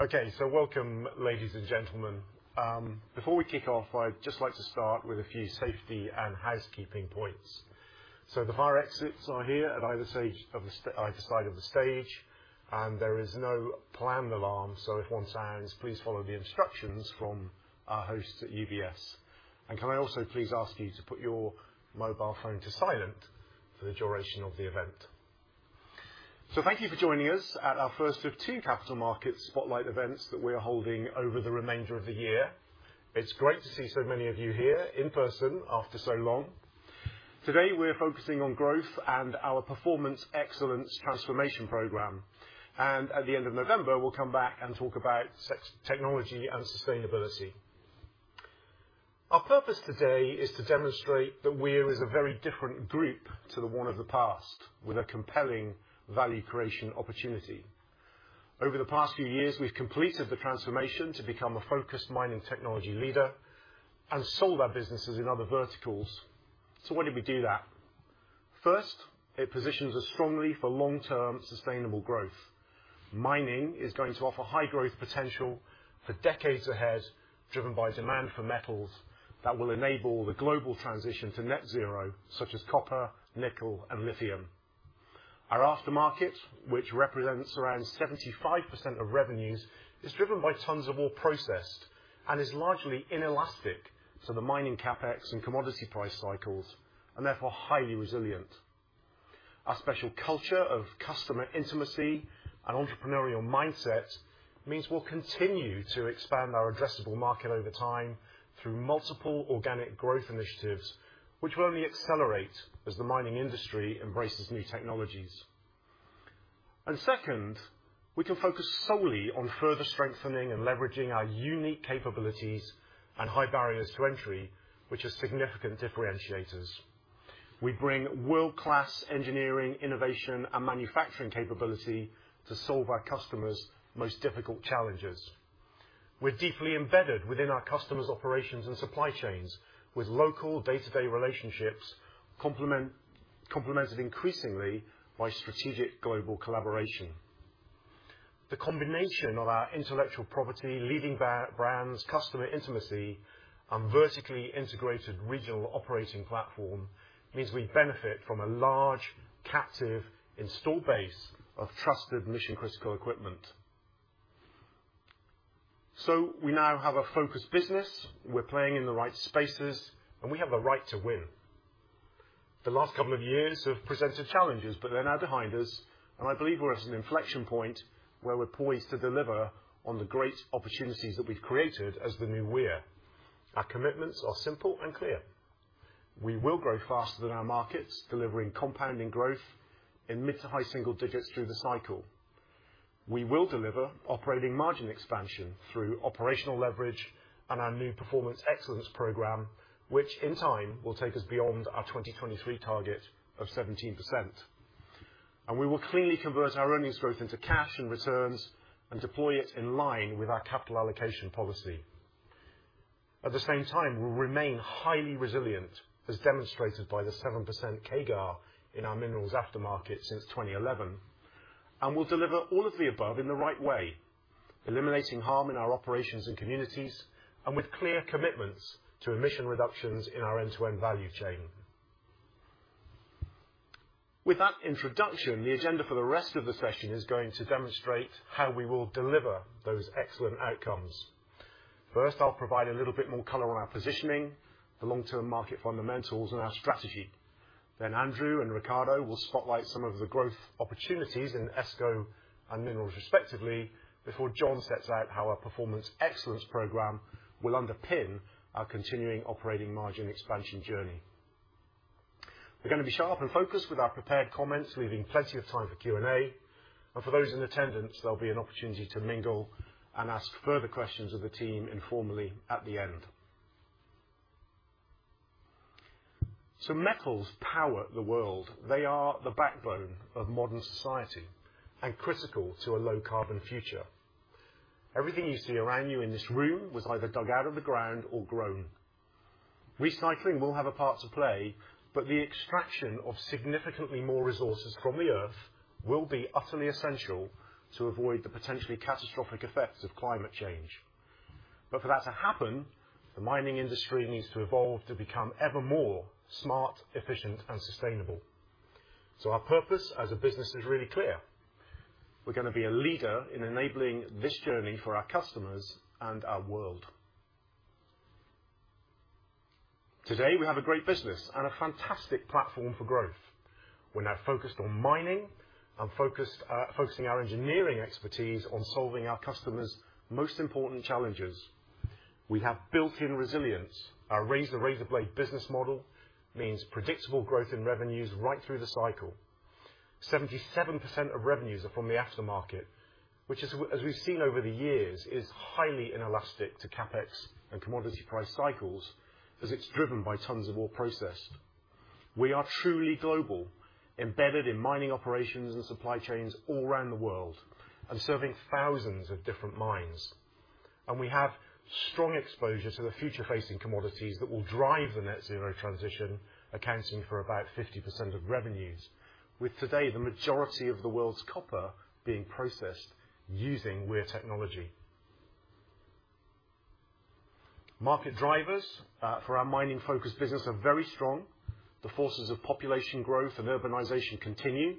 Okay. Welcome, ladies and gentlemen. Before we kick off, I'd just like to start with a few safety and housekeeping points. The fire exits are here at either side of the stage. There is no planned alarm, so if one sounds, please follow the instructions from our hosts at UBS. Can I also please ask you to put your mobile phone on silent for the duration of the event. Thank you for joining us at our first of two capital market spotlight events that we are holding over the remainder of the year. It's great to see so many of you here in person after so long. Today, we're focusing on growth and our Performance Excellence transformation program. At the end of November, we'll come back and talk about technology and sustainability. Our purpose today is to demonstrate that Weir is a very different group to the one of the past, with a compelling value creation opportunity. Over the past few years, we've completed the transformation to become a focused mining technology leader and sold our businesses in other verticals. Why did we do that? First, it positions us strongly for long-term sustainable growth. Mining is going to offer high growth potential for decades ahead, driven by demand for metals that will enable the global transition to net zero, such as copper, nickel and lithium. Our aftermarket, which represents around 75% of revenues, is driven by tons of ore processed and is largely inelastic to the mining CapEx and commodity price cycles, and therefore highly resilient. Our special culture of customer intimacy and entrepreneurial mindset means we'll continue to expand our addressable market over time through multiple organic growth initiatives, which will only accelerate as the mining industry embraces new technologies. Second, we can focus solely on further strengthening and leveraging our unique capabilities and high barriers to entry, which are significant differentiators. We bring world-class engineering, innovation and manufacturing capability to solve our customers' most difficult challenges. We're deeply embedded within our customers' operations and supply chains with local day-to-day relationships complemented increasingly by strategic global collaboration. The combination of our intellectual property, leading brands, customer intimacy, and vertically integrated regional operating platform means we benefit from a large captive installed base of trusted mission-critical equipment. We now have a focused business, we're playing in the right spaces, and we have a right to win. The last couple of years have presented challenges, but they're now behind us, and I believe we're at an inflection point where we're poised to deliver on the great opportunities that we've created as the new Weir. Our commitments are simple and clear. We will grow faster than our markets, delivering compounding growth in mid-to-high single digits through the cycle. We will deliver operating margin expansion through operational leverage and our new Performance Excellence program, which in time will take us beyond our 2023 target of 17%. We will clearly convert our earnings growth into cash and returns and deploy it in line with our capital allocation policy. At the same time, we'll remain highly resilient, as demonstrated by the 7% CAGR in our minerals aftermarket since 2011. We'll deliver all of the above in the right way, eliminating harm in our operations and communities, and with clear commitments to emission reductions in our end-to-end value chain. With that introduction, the agenda for the rest of the session is going to demonstrate how we will deliver those excellent outcomes. First, I'll provide a little bit more color on our positioning, the long-term market fundamentals and our strategy. Then Andrew and Ricardo will spotlight some of the growth opportunities in ESCO and minerals respectively before John sets out how our Performance Excellence program will underpin our continuing operating margin expansion journey. We're gonna be sharp and focused with our prepared comments, leaving plenty of time for Q&A. For those in attendance, there'll be an opportunity to mingle and ask further questions of the team informally at the end. Metals power the world. They are the backbone of modern society and critical to a low carbon future. Everything you see around you in this room was either dug out of the ground or grown. Recycling will have a part to play, but the extraction of significantly more resources from the Earth will be utterly essential to avoid the potentially catastrophic effects of climate change. For that to happen, the mining industry needs to evolve to become ever more smart, efficient and sustainable. Our purpose as a business is really clear. We're gonna be a leader in enabling this journey for our customers and our world. Today, we have a great business and a fantastic platform for growth. We're now focused on mining and focusing our engineering expertise on solving our customers' most important challenges. We have built-in resilience. Our razor blade business model means predictable growth in revenues right through the cycle. 77% of revenues are from the aftermarket, which is, as we've seen over the years, is highly inelastic to CapEx and commodity price cycles as it's driven by tons of ore processed. We are truly global, embedded in mining operations and supply chains all around the world and serving thousands of different mines. We have strong exposure to the future facing commodities that will drive the net zero transition, accounting for about 50% of revenues. With today, the majority of the world's copper being processed using Weir technology. Market drivers for our mining focused business are very strong. The forces of population growth and urbanization continue,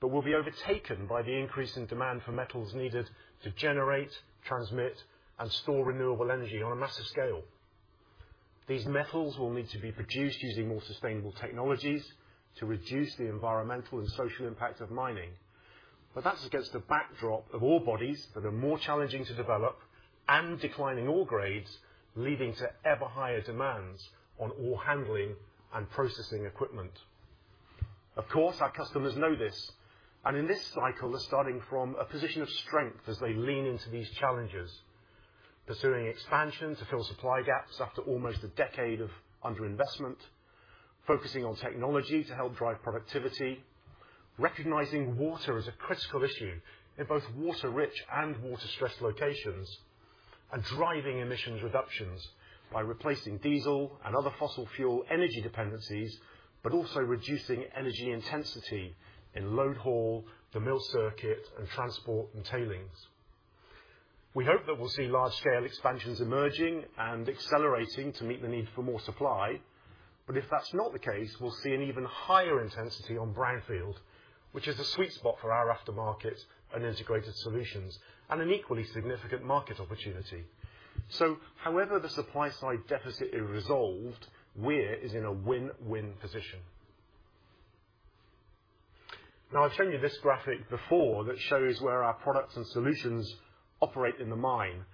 but will be overtaken by the increase in demand for metals needed to generate, transmit, and store renewable energy on a massive scale. These metals will need to be produced using more sustainable technologies to reduce the environmental and social impact of mining. That's against the backdrop of ore bodies that are more challenging to develop and declining ore grades, leading to ever higher demands on ore handling and processing equipment. Of course, our customers know this, and in this cycle, they're starting from a position of strength as they lean into these challenges, pursuing expansion to fill supply gaps after almost a decade of under-investment, focusing on technology to help drive productivity, recognizing water as a critical issue in both water-rich and water-stressed locations, and driving emissions reductions by replacing diesel and other fossil fuel energy dependencies, but also reducing energy intensity in load haul, the mill circuit, and transport and tailings. We hope that we'll see large scale expansions emerging and accelerating to meet the need for more supply. If that's not the case, we'll see an even higher intensity on brownfield, which is a sweet spot for our aftermarket and integrated solutions, and an equally significant market opportunity. However the supply side deficit is resolved, Weir is in a win-win position. Now, I've shown you this graphic before that shows where our products and solutions operate in the mine,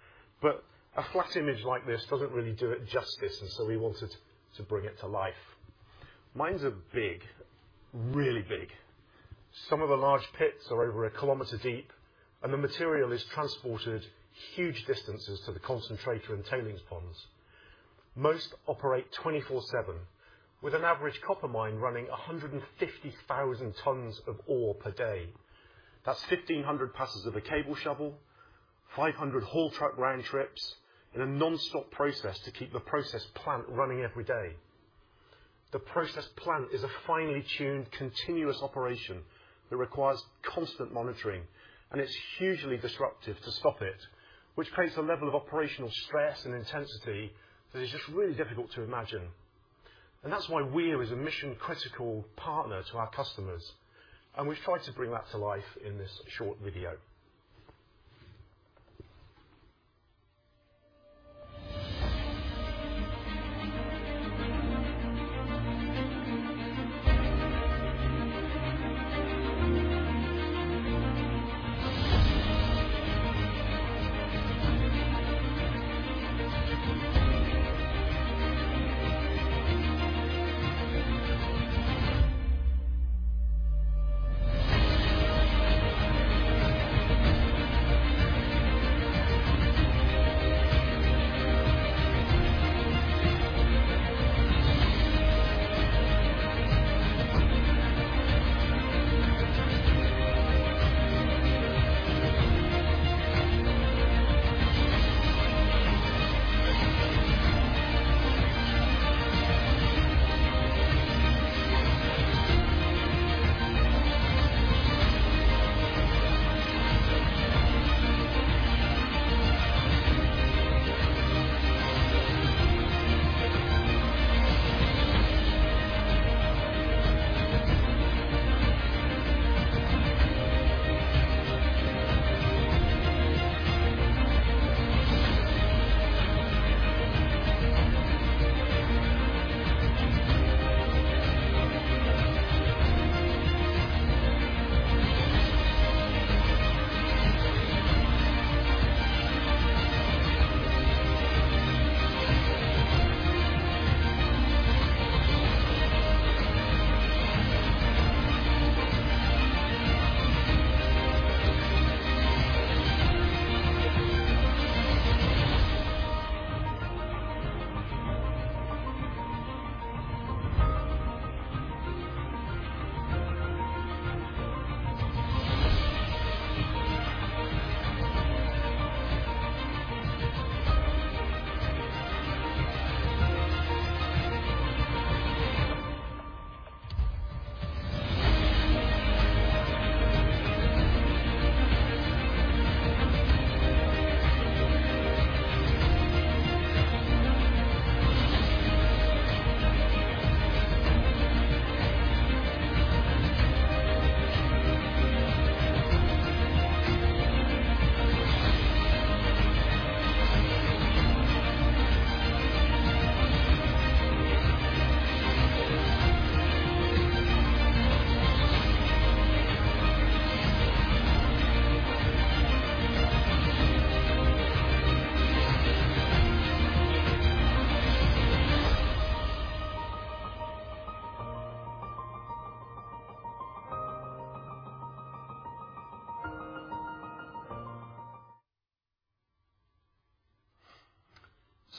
but a flat image like this doesn't really do it justice, and so we wanted to bring it to life. Mines are big, really big. Some of the large pits are over a kilometer deep, and the material is transported huge distances to the concentrator and tailings ponds. Most operate 24/7, with an average copper mine running 150,000 tons of ore per day. That's 1,500 passes of a cable shovel, 500 haul truck round trips in a nonstop process to keep the process plant running every day. The process plant is a finely tuned, continuous operation that requires constant monitoring, and it's hugely disruptive to stop it, which creates a level of operational stress and intensity that is just really difficult to imagine. That's why Weir is a mission critical partner to our customers, and we've tried to bring that to life in this short video.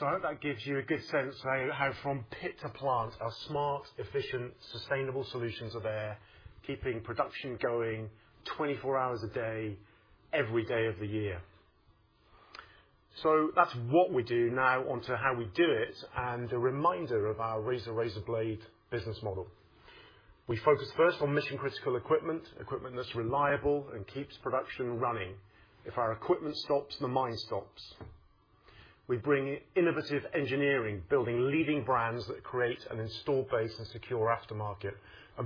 I hope that gives you a good sense how from pit to plant, our smart, efficient, sustainable solutions are there, keeping production going 24 hours a day, every day of the year. That's what we do. Now onto how we do it, and a reminder of our razor blade business model. We focus first on mission-critical equipment that's reliable and keeps production running. If our equipment stops, the mine stops. We bring innovative engineering, building leading brands that create an installed base and secure aftermarket.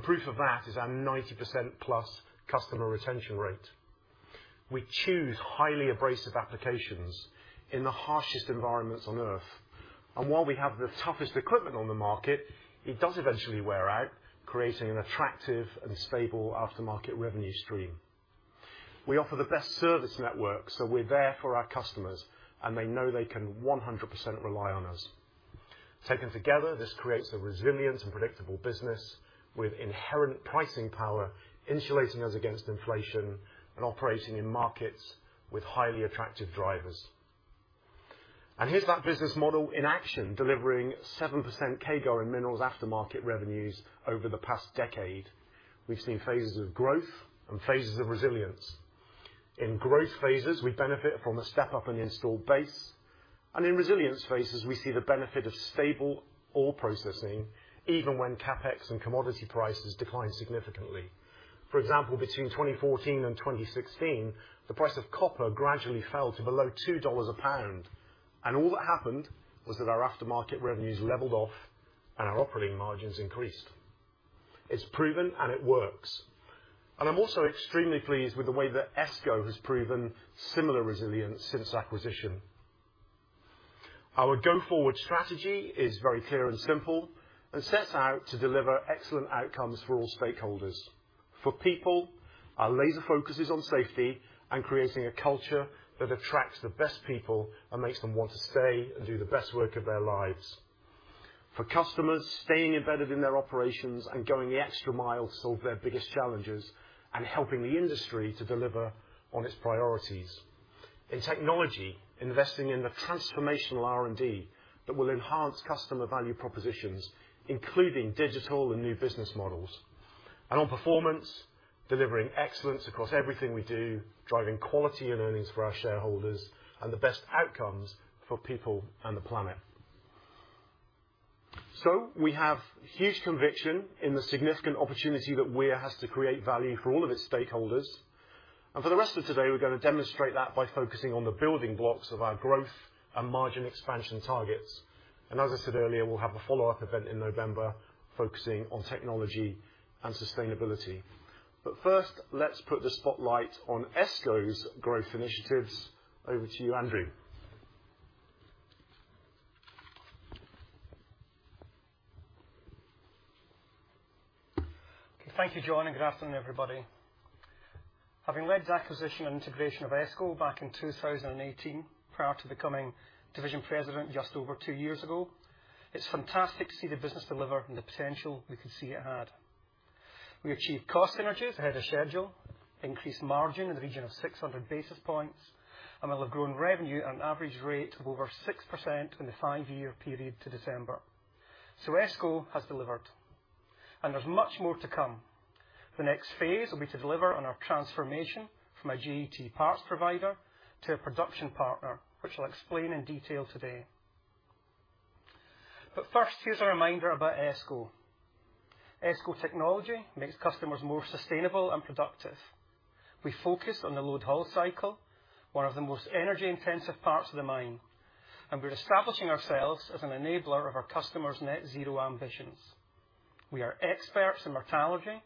Proof of that is our 90%+ customer retention rate. We choose highly abrasive applications in the harshest environments on Earth. While we have the toughest equipment on the market, it does eventually wear out, creating an attractive and stable aftermarket revenue stream. We offer the best service network, so we're there for our customers, and they know they can 100% rely on us. Taken together, this creates a resilient and predictable business with inherent pricing power, insulating us against inflation and operating in markets with highly attractive drivers. Here's that business model in action, delivering 7% CAGR in minerals aftermarket revenues over the past decade. We've seen phases of growth and phases of resilience. In growth phases, we benefit from a step up in installed base. In resilience phases, we see the benefit of stable ore processing even when CapEx and commodity prices decline significantly. For example, between 2014 and 2016, the price of copper gradually fell to below $2 a pound, and all that happened was that our aftermarket revenues leveled off and our operating margins increased. It's proven, and it works. I'm also extremely pleased with the way that ESCO has proven similar resilience since acquisition. Our go-forward strategy is very clear and simple and sets out to deliver excellent outcomes for all stakeholders. For people, our laser focus is on safety and creating a culture that attracts the best people and makes them want to stay and do the best work of their lives. For customers, staying embedded in their operations and going the extra mile to solve their biggest challenges and helping the industry to deliver on its priorities. In technology, investing in the transformational R&D that will enhance customer value propositions, including digital and new business models. On performance, delivering excellence across everything we do, driving quality and earnings for our shareholders and the best outcomes for people and the planet. We have huge conviction in the significant opportunity that Weir has to create value for all of its stakeholders. For the rest of today, we're gonna demonstrate that by focusing on the building blocks of our growth and margin expansion targets. As I said earlier, we'll have a follow-up event in November focusing on technology and sustainability. First, let's put the spotlight on ESCO's growth initiatives. Over to you, Andrew. Okay. Thank you, John, and good afternoon, everybody. Having led the acquisition and integration of ESCO back in 2018, prior to becoming division president just over two years ago, it's fantastic to see the business deliver on the potential we could see it had. We achieved cost synergies ahead of schedule, increased margin in the region of 600 basis points, and we'll have grown revenue at an average rate of over 6% in the 5-year period to December. ESCO has delivered, and there's much more to come. The next phase will be to deliver on our transformation from a GET parts provider to a production partner, which I'll explain in detail today. First, here's a reminder about ESCO. ESCO technology makes customers more sustainable and productive. We focus on the load-haul cycle, one of the most energy-intensive parts of the mine, and we're establishing ourselves as an enabler of our customers' net zero ambitions. We are experts in metallurgy,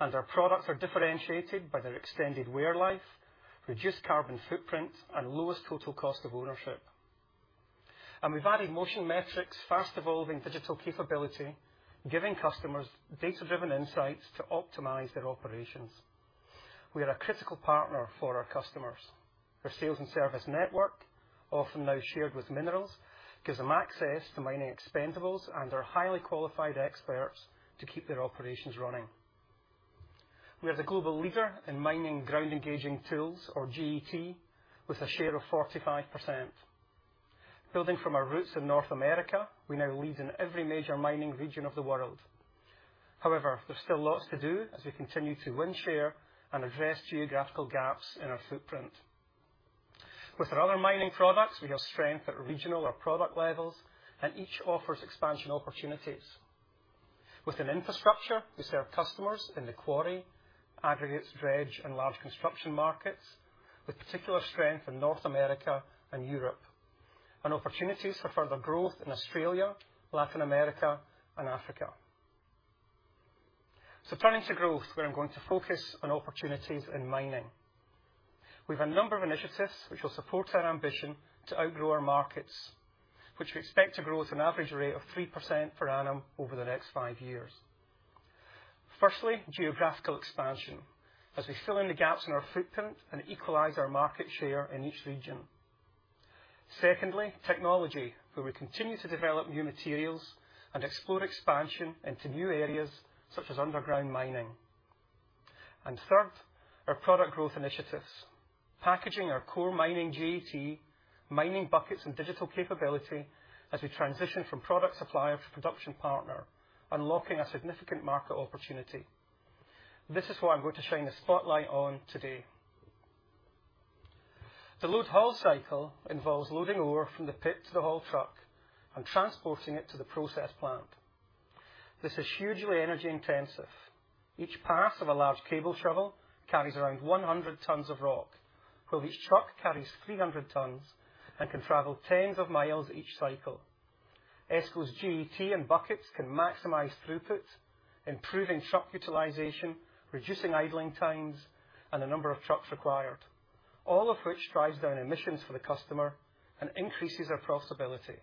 and our products are differentiated by their extended wear life, reduced carbon footprint, and lowest total cost of ownership. We've added Motion Metrics's fast-evolving digital capability, giving customers data-driven insights to optimize their operations. We are a critical partner for our customers. Our sales and service network, often now shared with Minerals, gives them access to mining expendables and our highly qualified experts to keep their operations running. We are the global leader in mining ground-engaging tools, or GET, with a share of 45%. Building from our roots in North America, we now lead in every major mining region of the world. However, there's still lots to do as we continue to win share and address geographical gaps in our footprint. With our other mining products, we have strength at regional or product levels, and each offers expansion opportunities. Within infrastructure, we serve customers in the quarry, aggregates, dredge, and large construction markets, with particular strength in North America and Europe, and opportunities for further growth in Australia, Latin America, and Africa. Turning to growth, where I'm going to focus on opportunities in mining. We have a number of initiatives which will support our ambition to outgrow our markets, which we expect to grow at an average rate of 3% per annum over the next five years. Firstly, geographical expansion, as we fill in the gaps in our footprint and equalize our market share in each region. Secondly, technology, where we continue to develop new materials and explore expansion into new areas such as underground mining. Third, our product growth initiatives. Packaging our core mining GET, mining buckets and digital capability as we transition from product supplier to production partner, unlocking a significant market opportunity. This is what I'm going to shine a spotlight on today. The load-haul cycle involves loading ore from the pit to the haul truck and transporting it to the process plant. This is hugely energy intensive. Each pass of a large cable shovel carries around 100 tons of rock, while each truck carries 300 tons and can travel tens of miles each cycle. ESCO's GET and buckets can maximize throughput, improving truck utilization, reducing idling times, and the number of trucks required, all of which drives down emissions for the customer and increases our profitability.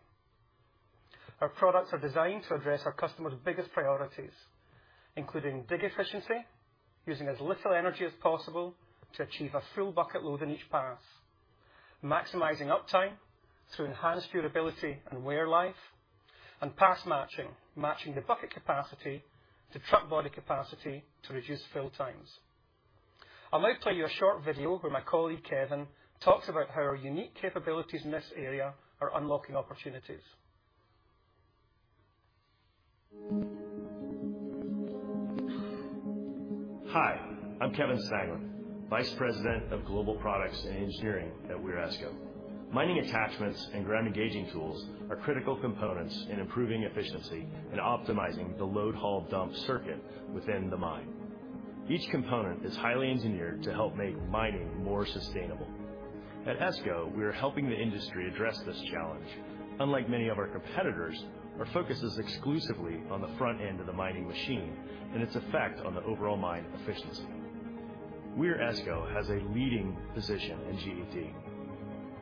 Our products are designed to address our customers' biggest priorities, including dig efficiency, using as little energy as possible to achieve a full bucket load in each pass, maximizing uptime through enhanced durability and wear life, and pass matching the bucket capacity to truck body capacity to reduce fill times. I might play you a short video where my colleague Kevin talks about how our unique capabilities in this area are unlocking opportunities. Hi, I'm Kevin Stangeland, Vice President of Global Products and Engineering at Weir ESCO. Mining attachments and ground engaging tools are critical components in improving efficiency and optimizing the load-haul-dump circuit within the mine. Each component is highly engineered to help make mining more sustainable. At ESCO, we are helping the industry address this challenge. Unlike many of our competitors, our focus is exclusively on the front end of the mining machine and its effect on the overall mine efficiency. Weir ESCO has a leading position in GET.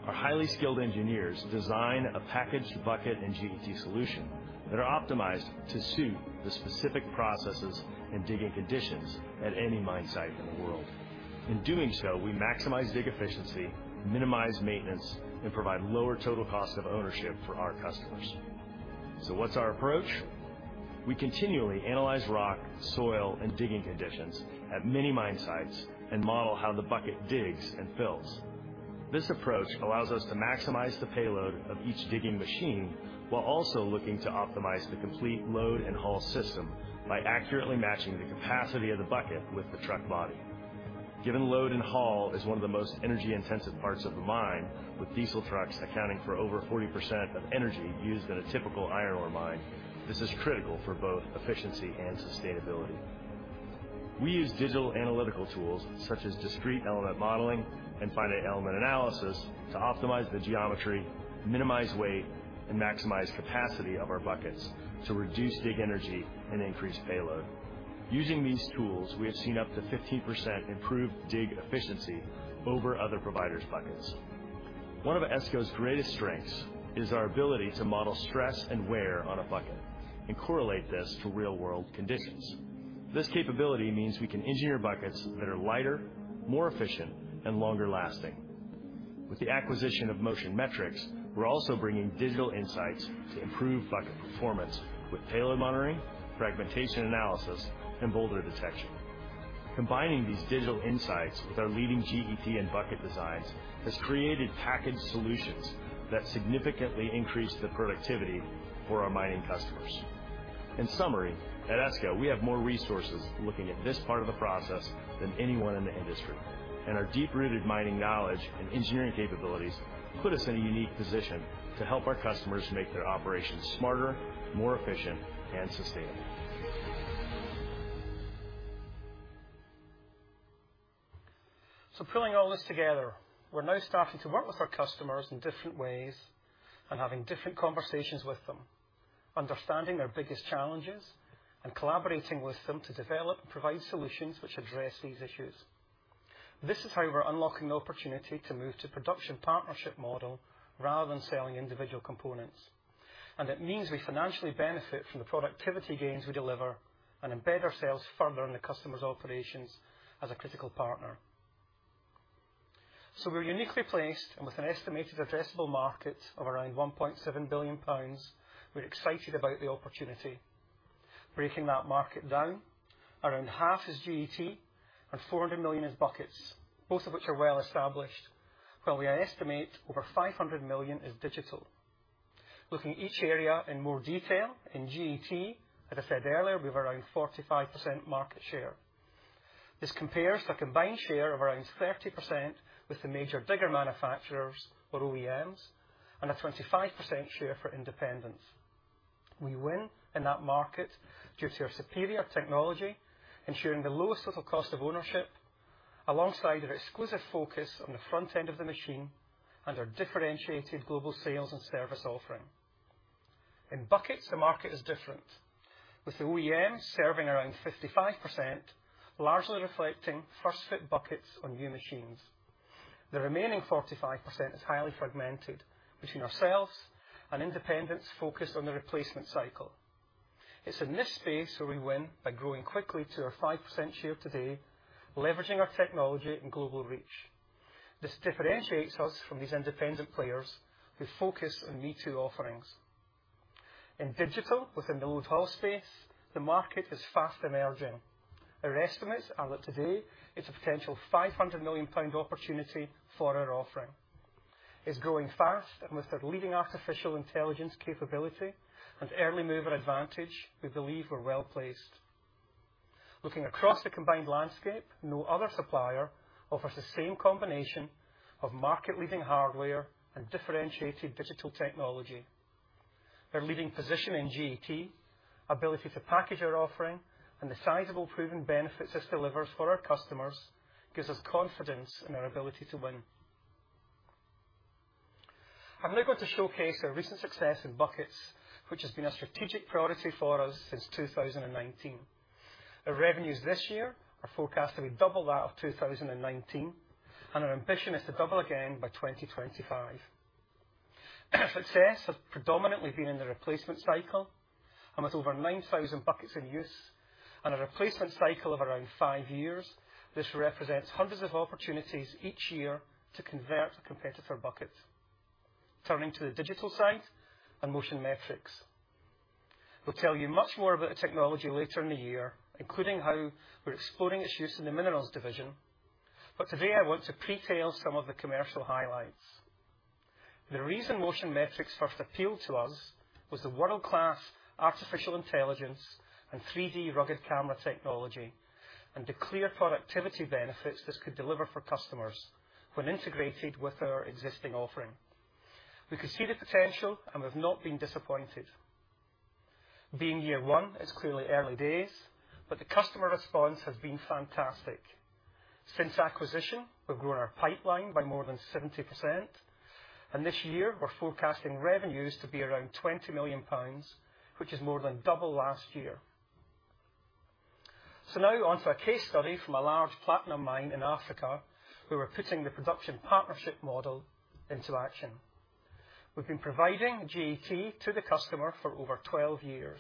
Our highly skilled engineers design a packaged bucket and GET solution that are optimized to suit the specific processes and digging conditions at any mine site in the world. In doing so, we maximize dig efficiency, minimize maintenance, and provide lower total cost of ownership for our customers. What's our approach? We continually analyze rock, soil, and digging conditions at many mine sites and model how the bucket digs and fills. This approach allows us to maximize the payload of each digging machine while also looking to optimize the complete load and haul system by accurately matching the capacity of the bucket with the truck body. Given load and haul is one of the most energy-intensive parts of the mine, with diesel trucks accounting for over 40% of energy used in a typical iron ore mine, this is critical for both efficiency and sustainability. We use digital analytical tools such as discrete element modeling and finite element analysis to optimize the geometry, minimize weight, and maximize capacity of our buckets to reduce dig energy and increase payload. Using these tools, we have seen up to 15% improved dig efficiency over other providers' buckets. One of Esco's greatest strengths is our ability to model stress and wear on a bucket and correlate this to real-world conditions. This capability means we can engineer buckets that are lighter, more efficient, and longer lasting. With the acquisition of Motion Metrics, we're also bringing digital insights to improve bucket performance with payload monitoring, fragmentation analysis, and boulder detection. Combining these digital insights with our leading GET and bucket designs has created packaged solutions that significantly increase the productivity for our mining customers. In summary, at Esco, we have more resources looking at this part of the process than anyone in the industry, and our deep-rooted mining knowledge and engineering capabilities put us in a unique position to help our customers make their operations smarter, more efficient, and sustainable. Pulling all this together, we're now starting to work with our customers in different ways and having different conversations with them, understanding their biggest challenges, and collaborating with them to develop and provide solutions which address these issues. This is how we're unlocking the opportunity to move to production partnership model rather than selling individual components. It means we financially benefit from the productivity gains we deliver and embed ourselves further in the customer's operations as a critical partner. We're uniquely placed and with an estimated addressable market of around 1.7 billion pounds, we're excited about the opportunity. Breaking that market down, around half is GET and 400 million is buckets, both of which are well established, while we estimate over 500 million is digital. Looking at each area in more detail, in GET, as I said earlier, we have around 45% market share. This compares to a combined share of around 30% with the major digger manufacturers or OEMs and a 25% share for independents. We win in that market due to our superior technology, ensuring the lowest total cost of ownership alongside our exclusive focus on the front end of the machine and our differentiated global sales and service offering. In buckets, the market is different with the OEMs serving around 55%, largely reflecting first-fit buckets on new machines. The remaining 45% is highly fragmented between ourselves and independents focused on the replacement cycle. It's in this space where we win by growing quickly to our 5% share today, leveraging our technology and global reach. This differentiates us from these independent players who focus on me-too offerings. In digital, within the load-haul space, the market is fast emerging. Our estimates are that today it's a potential 500 million pound opportunity for our offering. It's growing fast, and with our leading artificial intelligence capability and early mover advantage, we believe we're well-placed. Looking across the combined landscape, no other supplier offers the same comminution of market-leading hardware and differentiated digital technology. Our leading position in GET, ability to package our offering, and the sizable proven benefits this delivers for our customers, gives us confidence in our ability to win. I'm now going to showcase our recent success in buckets, which has been a strategic priority for us since 2019. Our revenues this year are forecast to be double that of 2019, and our ambition is to double again by 2025. Our success has predominantly been in the replacement cycle, and with over 9,000 buckets in use and a replacement cycle of around 5 years, this represents hundreds of opportunities each year to convert a competitor bucket. Turning to the digital side and Motion Metrics. We'll tell you much more about the technology later in the year, including how we're exploring its use in the minerals division, but today I want to pre-tell some of the commercial highlights. The reason Motion Metrics first appealed to us was the world-class artificial intelligence and 3D rugged camera technology, and the clear productivity benefits this could deliver for customers when integrated with our existing offering. We could see the potential, and we've not been disappointed. Being year one, it's clearly early days, but the customer response has been fantastic. Since acquisition, we've grown our pipeline by more than 70%, and this year we're forecasting revenues to be around 20 million pounds, which is more than double last year. Now onto a case study from a large platinum mine in Africa, where we're putting the production partnership model into action. We've been providing GET to the customer for over 12 years.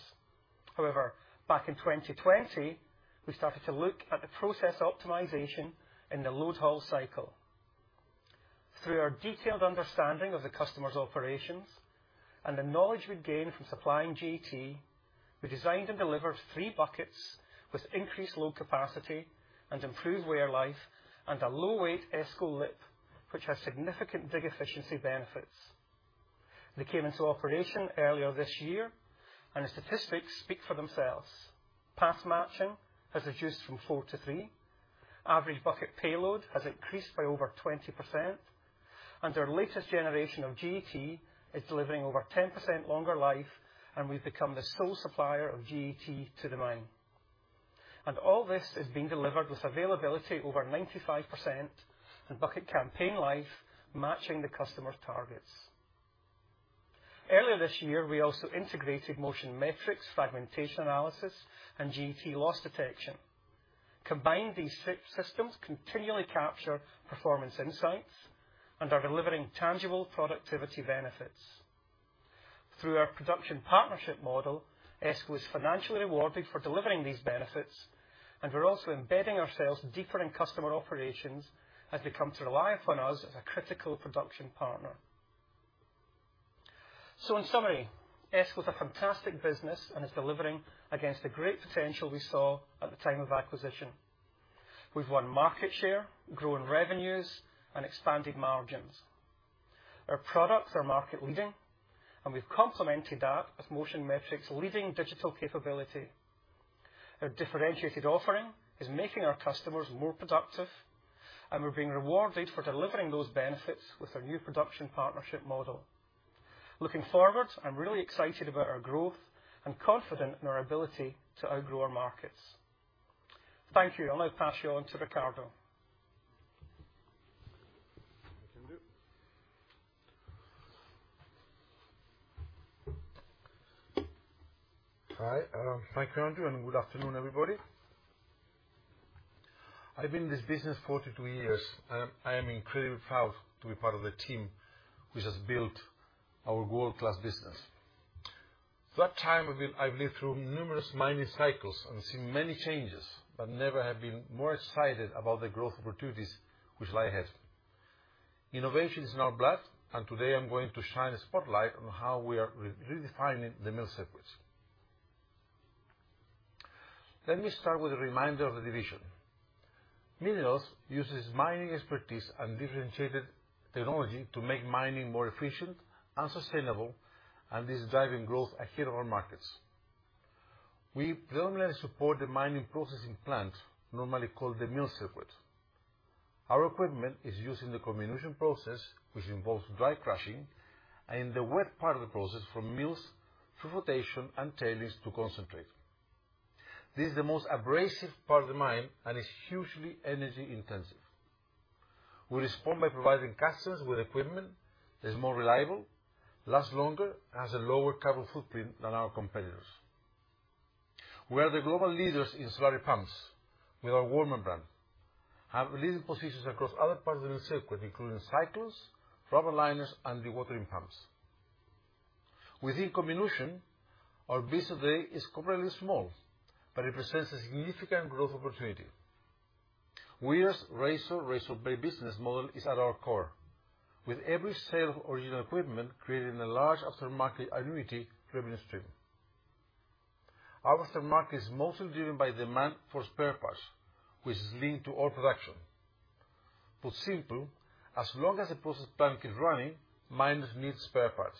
However, back in 2020, we started to look at the process optimization in the load-haul cycle. Through our detailed understanding of the customer's operations and the knowledge we gained from supplying GET, we designed and delivered 3 buckets with increased load capacity and improved wear life and a low-weight ESCO lip, which has significant dig efficiency benefits. They came into operation earlier this year, and the statistics speak for themselves. Pass matching has reduced from 4 to 3. Average bucket payload has increased by over 20%, and our latest generation of GET is delivering over 10% longer life, and we've become the sole supplier of GET to the mine. All this is being delivered with availability over 95% and bucket campaign life matching the customer targets. Earlier this year, we also integrated Motion Metrics, fragmentation analysis, and GET loss detection. Combined, these six systems continually capture performance insights and are delivering tangible productivity benefits. Through our production partnership model, ESCO is financially rewarded for delivering these benefits, and we're also embedding ourselves deeper in customer operations as they come to rely upon us as a critical production partner. In summary, ESCO is a fantastic business and is delivering against the great potential we saw at the time of acquisition. We've won market share, grown revenues, and expanded margins. Our products are market-leading, and we've complemented that with Motion Metrics' leading digital capability. Our differentiated offering is making our customers more productive, and we're being rewarded for delivering those benefits with our new production partnership model. Looking forward, I'm really excited about our growth and confident in our ability to outgrow our markets. Thank you. I'll now pass you on to Ricardo. I can do. Hi. Thank you, Andrew, and good afternoon, everybody. I've been in this business 42 years. I am incredibly proud to be part of the team which has built our world-class business. For that time, I've lived through numerous mining cycles and seen many changes, but never have been more excited about the growth opportunities which lie ahead. Innovation is in our blood, and today I'm going to shine a spotlight on how we are redefining the mill circuits. Let me start with a reminder of the division. Minerals uses mining expertise and differentiated technology to make mining more efficient and sustainable, and is driving growth ahead of our markets. We predominantly support the mining processing plant, normally called the mill circuit. Our equipment is used in the comminution process, which involves dry crushing, and the wet part of the process from mills through flotation and tailings to concentrate. This is the most abrasive part of the mine and is hugely energy intensive. We respond by providing customers with equipment that is more reliable, lasts longer, and has a lower carbon footprint than our competitors. We are the global leaders in slurry pumps with our Warman brand. We have leading positions across other parts of the mill circuit, including cyclones, rubber liners, and dewatering pumps. Within comminution, our business today is comparatively small, but it presents a significant growth opportunity. Weir's razor blade business model is at our core. With every sale of original equipment, creating a large aftermarket annuity revenue stream. Our aftermarket is mostly driven by demand for spare parts, which is linked to all production. Put simply, as long as the process plant keeps running, miners need spare parts.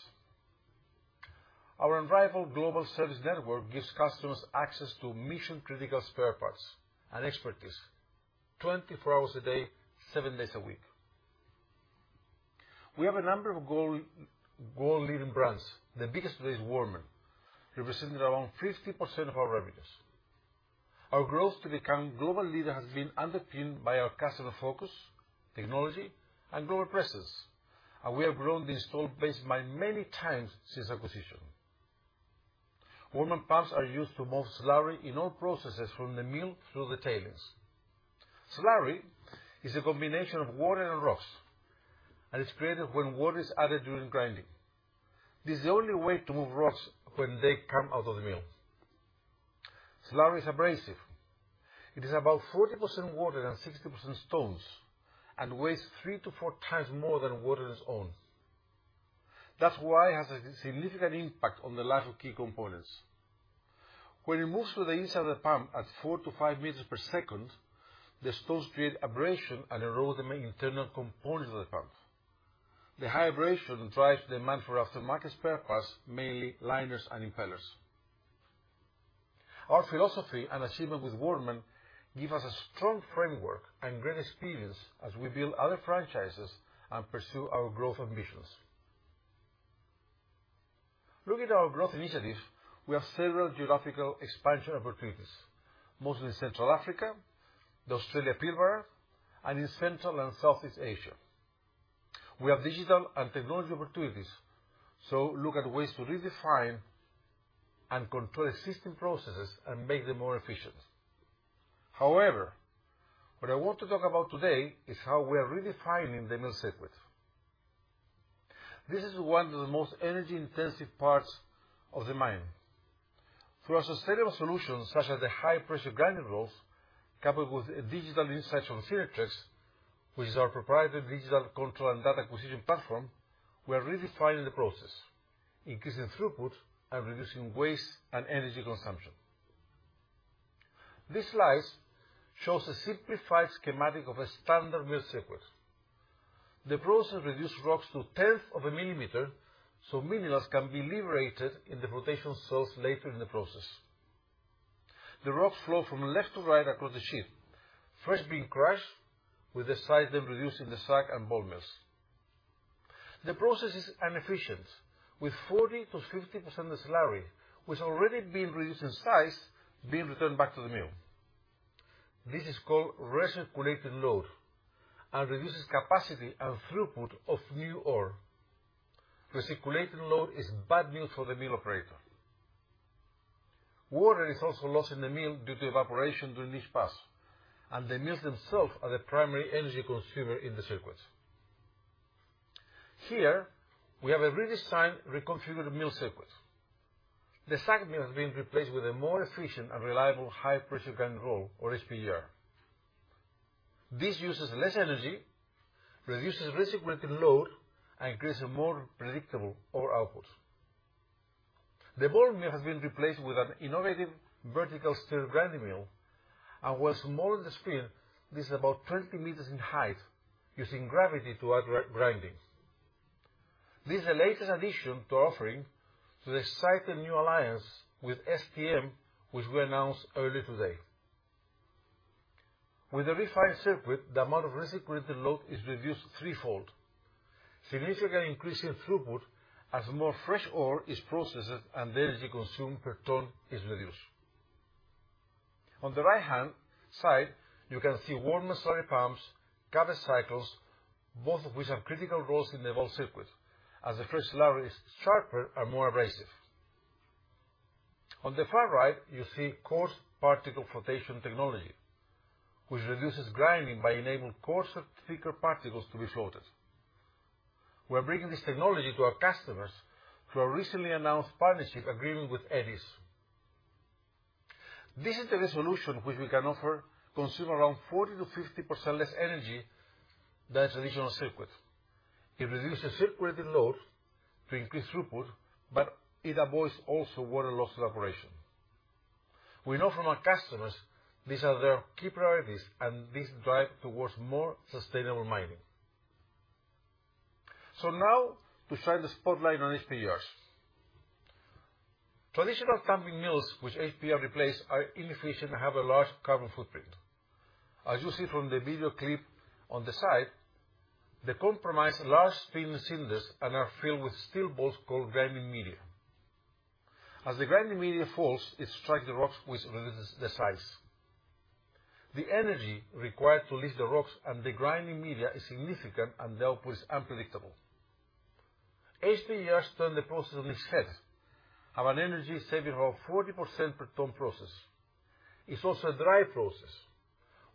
Our unrivaled global service network gives customers access to mission-critical spare parts and expertise 24 hours a day, 7 days a week. We have a number of global, world-leading brands. The biggest today is Warman, representing around 50% of our revenues. Our growth to become global leader has been underpinned by our customer focus, technology, and global presence, and we have grown the installed base by many times since acquisition. Warman pumps are used to move slurry in all processes from the mill through the tailings. Slurry is a combination of water and rocks, and it's created when water is added during grinding. This is the only way to move rocks when they come out of the mill. Slurry is abrasive. It is about 40% water and 60% stones and weighs 3-4 times more than water on its own. That's why it has a significant impact on the life of key components. When it moves to the inside of the pump at 4-5 meters per second, the stones create abrasion and erode the main internal components of the pump. The high abrasion drives demand for aftermarket spare parts, mainly liners and impellers. Our philosophy and achievement with Warman give us a strong framework and great experience as we build other franchises and pursue our growth ambitions. Looking at our growth initiatives, we have several geographical expansion opportunities, mostly in Central Africa, the Australian Pilbara, and in Central and Southeast Asia. We have digital and technology opportunities, so look at ways to redefine and control existing processes and make them more efficient. However, what I want to talk about today is how we are redefining the mill circuit. This is one of the most energy-intensive parts of the mine. Through our sustainable solutions such as the high-pressure grinding rolls, coupled with digital insights from Synertrex, which is our proprietary digital control and data acquisition platform, we are redefining the process, increasing throughput and reducing waste and energy consumption. This slide shows a simplified schematic of a standard mill sequence. The process reduces rocks to a tenth of a millimeter, so minerals can be liberated in the flotation cells later in the process. The rocks flow from left to right across the sheet, first being crushed with the size then reduced in the SAG and ball mills. The process is inefficient, with 40%-50% of the slurry, which has already been reduced in size, being returned back to the mill. This is called recirculating load and reduces capacity and throughput of new ore. Recirculating load is bad news for the mill operator. Water is also lost in the mill due to evaporation during each pass, and the mills themselves are the primary energy consumer in the circuit. Here, we have a redesigned, reconfigured mill circuit. The SAG mill has been replaced with a more efficient and reliable high-pressure grinding roll or HPGR. This uses less energy, reduces recirculating load, and creates a more predictable ore output. The ball mill has been replaced with an innovative vertical stirred grinding mill, and while smaller in size, it is about 20 meters in height, using gravity to aid grinding. This is the latest addition to our offering via a new alliance with STM, which we announced earlier today. With the refined circuit, the amount of recirculating load is reduced threefold, significantly increasing throughput as more fresh ore is processed and the energy consumed per ton is reduced. On the right-hand side, you can see Warman slurry pumps, Cavex cyclones, both of which have critical roles in the evolved circuit as the fresh slurry is sharper and more abrasive. On the far right, you see coarse particle flotation technology, which reduces grinding by enabling coarser, thicker particles to be floated. We're bringing this technology to our customers through our recently announced partnership agreement with Eriez. This is the solution which we can offer that consumes around 40%-50% less energy than traditional circuit. It reduces recirculating load to increase throughput, but it also avoids water loss to the operation. We know from our customers these are their key priorities and this drive towards more sustainable mining. Now to shine the spotlight on HPGRs. Traditional ball mills which HPGRs replace are inefficient and have a large carbon footprint. As you see from the video clip on the side, they comprise large spinning cylinders and are filled with steel balls called grinding media. As the grinding media falls, it strikes the rocks which reduces the size. The energy required to lift the rocks and the grinding media is significant and the output is unpredictable. HPGRs turn the process on its head and an energy saving of 40% per ton processed. It's also a dry process.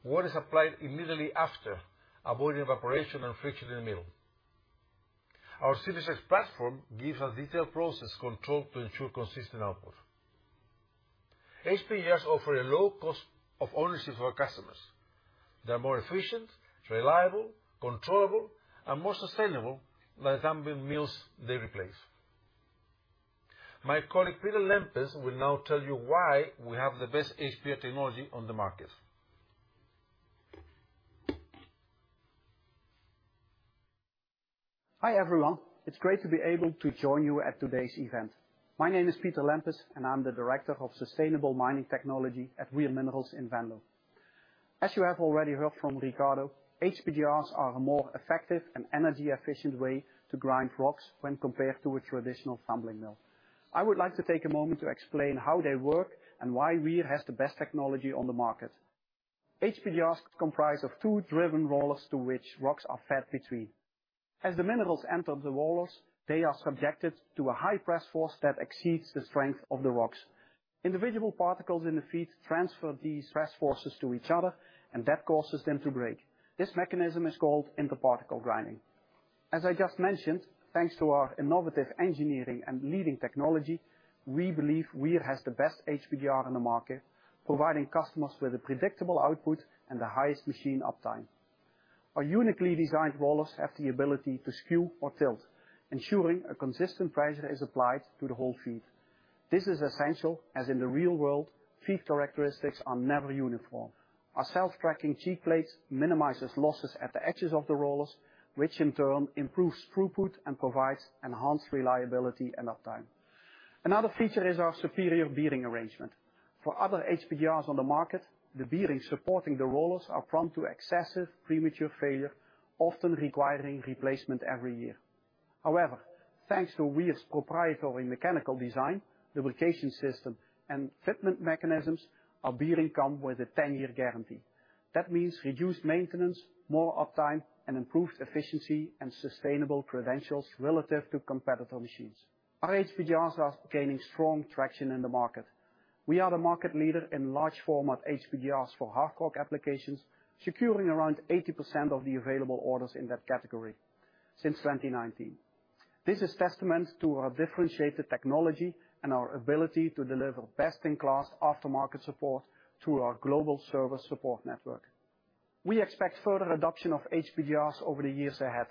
Water is applied immediately after, avoiding evaporation and friction in the mill. Our Synertrex platform gives us detailed process control to ensure consistent output. HPGRs offer a low cost of ownership for our customers. They're more efficient, reliable, controllable, and more sustainable than the tumbling mills they replace. My colleague, Peter Lempens, will now tell you why we have the best HPGR technology on the market. Hi, everyone. It's great to be able to join you at today's event. My name is Peter Lempens, and I'm the Director of Sustainable Mining Technology at Weir Minerals in Venlo. As you have already heard from Ricardo, HPGRs are a more effective and energy-efficient way to grind rocks when compared to a traditional tumbling mill. I would like to take a moment to explain how they work and why Weir has the best technology on the market. HPGRs comprise of two driven rollers to which rocks are fed between. As the minerals enter the rollers, they are subjected to a high pressure force that exceeds the strength of the rocks. Individual particles in the feed transfer these press forces to each other, and that causes them to break. This mechanism is called inter-particle grinding. As I just mentioned, thanks to our innovative engineering and leading technology, we believe Weir has the best HPGR on the market, providing customers with a predictable output and the highest machine uptime. Our uniquely designed rollers have the ability to skew or tilt, ensuring a consistent pressure is applied to the whole feed. This is essential, as in the real world, feed characteristics are never uniform. Our self-tracking cheek plates minimizes losses at the edges of the rollers, which in turn improves throughput and provides enhanced reliability and uptime. Another feature is our superior bearing arrangement. For other HPGRs on the market, the bearings supporting the rollers are prone to excessive premature failure, often requiring replacement every year. However, thanks to Weir's proprietary mechanical design, lubrication system, and fitment mechanisms, our bearing come with a 10-year guarantee. That means reduced maintenance, more uptime, and improved efficiency and sustainable credentials relative to competitor machines. Our HPGRs are gaining strong traction in the market. We are the market leader in large format HPGRs for hard rock applications, securing around 80% of the available orders in that category since 2019. This is testament to our differentiated technology and our ability to deliver best-in-class aftermarket support through our global service support network. We expect further adoption of HPGRs over the years ahead.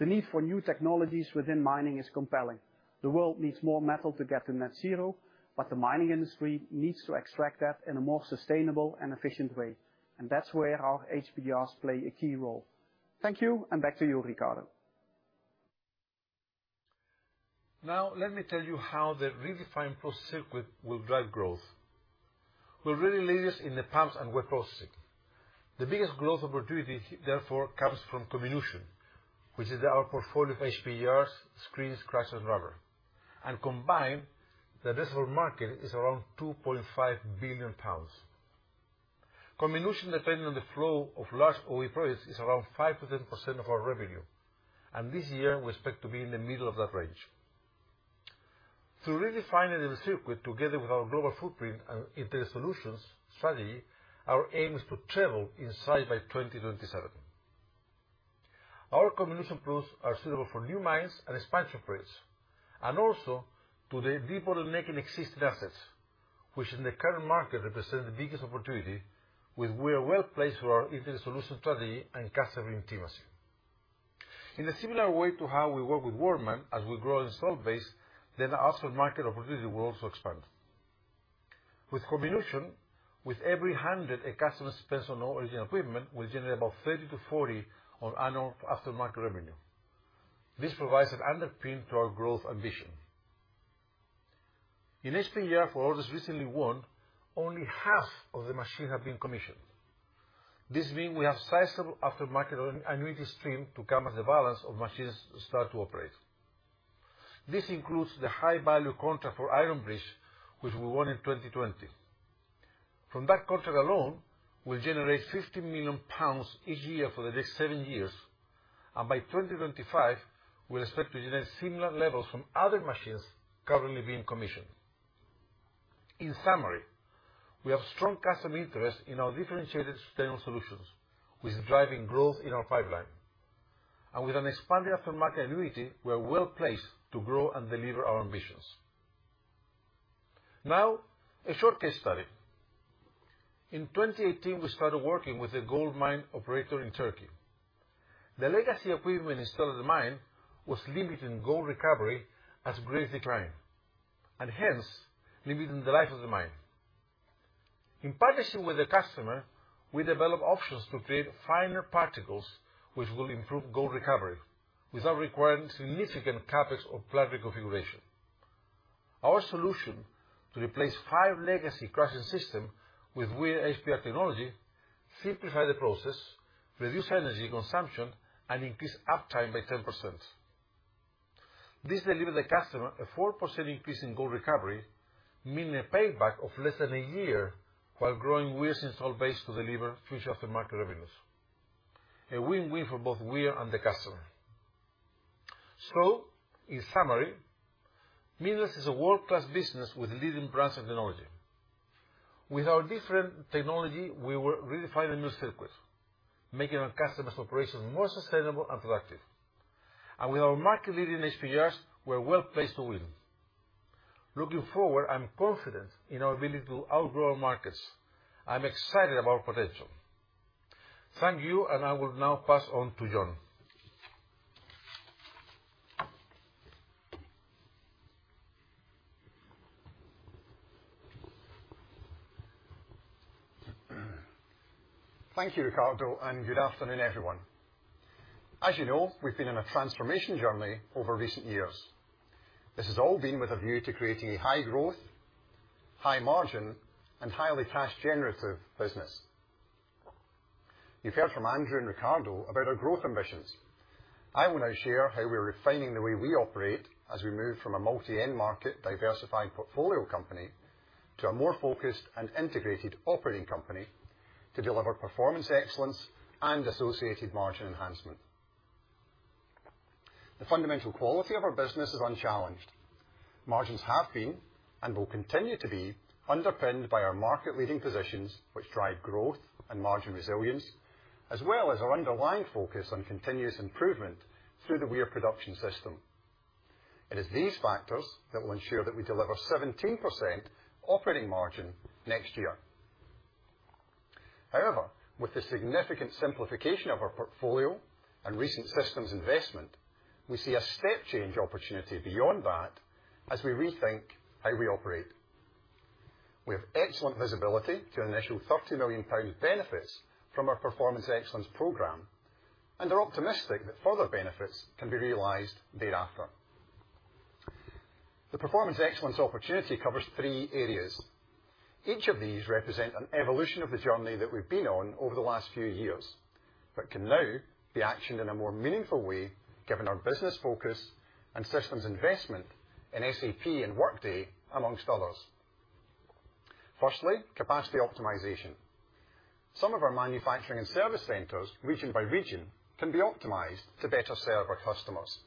The need for new technologies within mining is compelling. The world needs more metal to get to net zero, but the mining industry needs to extract that in a more sustainable and efficient way, and that's where our HPGRs play a key role. Thank you, and back to you, Ricardo. Now let me tell you how the redefined process circuit will drive growth. We're really leaders in the pumps and wet processing. The biggest growth opportunity therefore comes from comminution, which is our portfolio of HPGRs, screens, crushers, rubber. Combined, the addressable market is around 2.5 billion pounds. Comminution, depending on the flow of large OEM products, is around 5%-10% of our revenue, and this year we expect to be in the middle of that range. Through redefining the circuit together with our global footprint and integrated solutions strategy, our aim is to treble in size by 2027. Our comminution products are suitable for new mines and expansions, and also for the debottlenecking of existing assets, which in the current market represent the biggest opportunity where we are well placed for our integrated solutions strategy and customer intimacy. In a similar way to how we work with Warman, as we grow installed base, then our aftermarket opportunity will also expand. With comminution, with every 100 a customer spends on original equipment, we generate about 30-40 on annual aftermarket revenue. This provides an underpin to our growth ambition. In HPGR, for orders recently won, only half of the machines have been commissioned. This means we have sizable aftermarket annuity stream to come as the balance of machines start to operate. This includes the high-value contract for Iron Bridge, which we won in 2020. From that contract alone, we'll generate 50 million pounds each year for the next 7 years. By 2025, we expect to generate similar levels from other machines currently being commissioned. In summary, we have strong customer interest in our differentiated sustainable solutions, which is driving growth in our pipeline. With an expanding aftermarket annuity, we are well placed to grow and deliver our ambitions. Now, a short case study. In 2018, we started working with a gold mine operator in Turkey. The legacy equipment installed at the mine was limiting gold recovery as grades declined, and hence limiting the life of the mine. In partnership with the customer, we developed options to create finer particles which will improve gold recovery without requiring significant CapEx or plant reconfiguration. Our solution to replace 5 legacy crushing system with Weir HPGR technology simplified the process, reduced energy consumption, and increased uptime by 10%. This delivered the customer a 4% increase in gold recovery, meaning a payback of less than a year while growing Weir's installed base to deliver future aftermarket revenues. A win-win for both Weir and the customer. In summary, Minerals is a world-class business with leading brands and technology. With our different technology, we will redefine the new circuit, making our customers' operations more sustainable and productive. With our market-leading HPGRs, we're well-placed to win. Looking forward, I'm confident in our ability to outgrow our markets. I'm excited about potential. Thank you, and I will now pass on to John. Thank you, Ricardo, and good afternoon, everyone. As you know, we've been on a transformation journey over recent years. This has all been with a view to creating a high-growth, high-margin, and highly cash-generative business. You've heard from Andrew and Ricardo about our growth ambitions. I will now share how we're refining the way we operate as we move from a multi-end market, diversified portfolio company to a more focused and integrated operating company to deliver Performance Excellence and associated margin enhancement. The fundamental quality of our business is unchallenged. Margins have been, and will continue to be, underpinned by our market-leading positions, which drive growth and margin resilience, as well as our underlying focus on continuous improvement through the Weir Production System. It is these factors that will ensure that we deliver 17% operating margin next year. However, with the significant simplification of our portfolio and recent systems investment, we see a step change opportunity beyond that as we rethink how we operate. We have excellent visibility to initial 30 million pound benefits from our Performance Excellence program, and are optimistic that further benefits can be realized thereafter. The Performance Excellence opportunity covers three areas. Each of these represent an evolution of the journey that we've been on over the last few years, but can now be actioned in a more meaningful way, given our business focus and systems investment in SAP and Workday, among others. Firstly, capacity optimization. Some of our manufacturing and service centers, region by region, can be optimized to better serve our customers.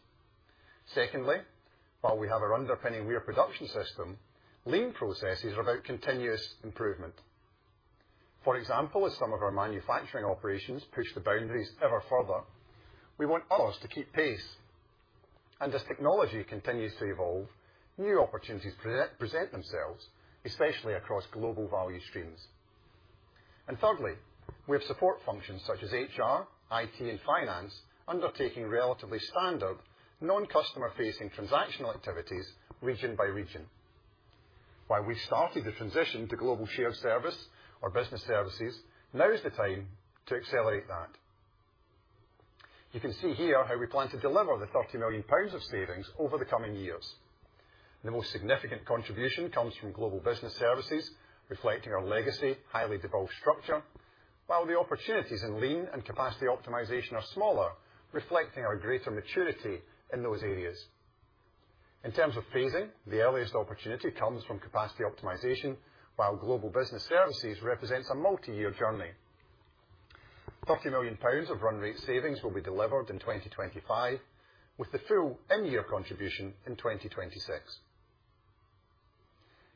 Secondly, while we have our underpinning Weir Production System, lean processes are about continuous improvement. For example, as some of our manufacturing operations push the boundaries ever further, we want ours to keep pace. As technology continues to evolve, new opportunities present themselves, especially across global value streams. Thirdly, we have support functions such as HR, IT, and finance undertaking relatively standard non-customer facing transactional activities region by region. While we started the transition to Global shared service or business services, now is the time to accelerate that. You can see here how we plan to deliver 30 million pounds of savings over the coming years. The most significant contribution comes from Global business services, reflecting our legacy, highly devolved structure, while the opportunities in lean and capacity optimization are smaller, reflecting our greater maturity in those areas. In terms of phasing, the earliest opportunity comes from capacity optimization, while Global business services represents a multi-year journey. 30 million pounds of run rate savings will be delivered in 2025, with the full in-year contribution in 2026.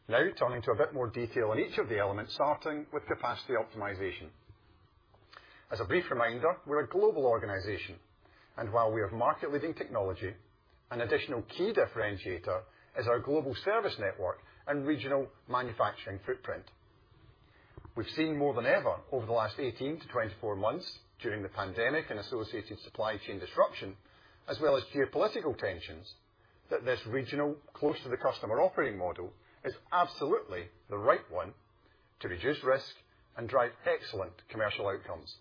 Now, turning to a bit more detail on each of the elements, starting with capacity optimization. As a brief reminder, we're a global organization, and while we have market-leading technology, an additional key differentiator is our global service network and regional manufacturing footprint. We've seen more than ever over the last 18-24 months during the pandemic and associated supply chain disruption, as well as geopolitical tensions, that this regional close to the customer operating model is absolutely the right one to reduce risk and drive excellent commercial outcomes.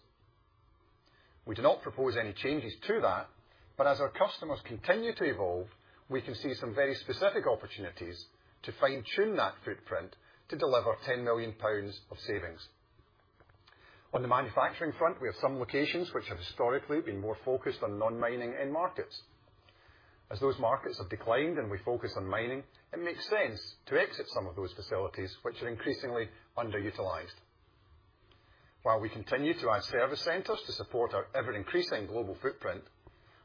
We do not propose any changes to that, but as our customers continue to evolve, we can see some very specific opportunities to fine-tune that footprint to deliver 10 million pounds of savings. On the manufacturing front, we have some locations which have historically been more focused on non-mining end markets. As those markets have declined and we focus on mining, it makes sense to exit some of those facilities which are increasingly underutilized. While we continue to add service centers to support our ever-increasing global footprint,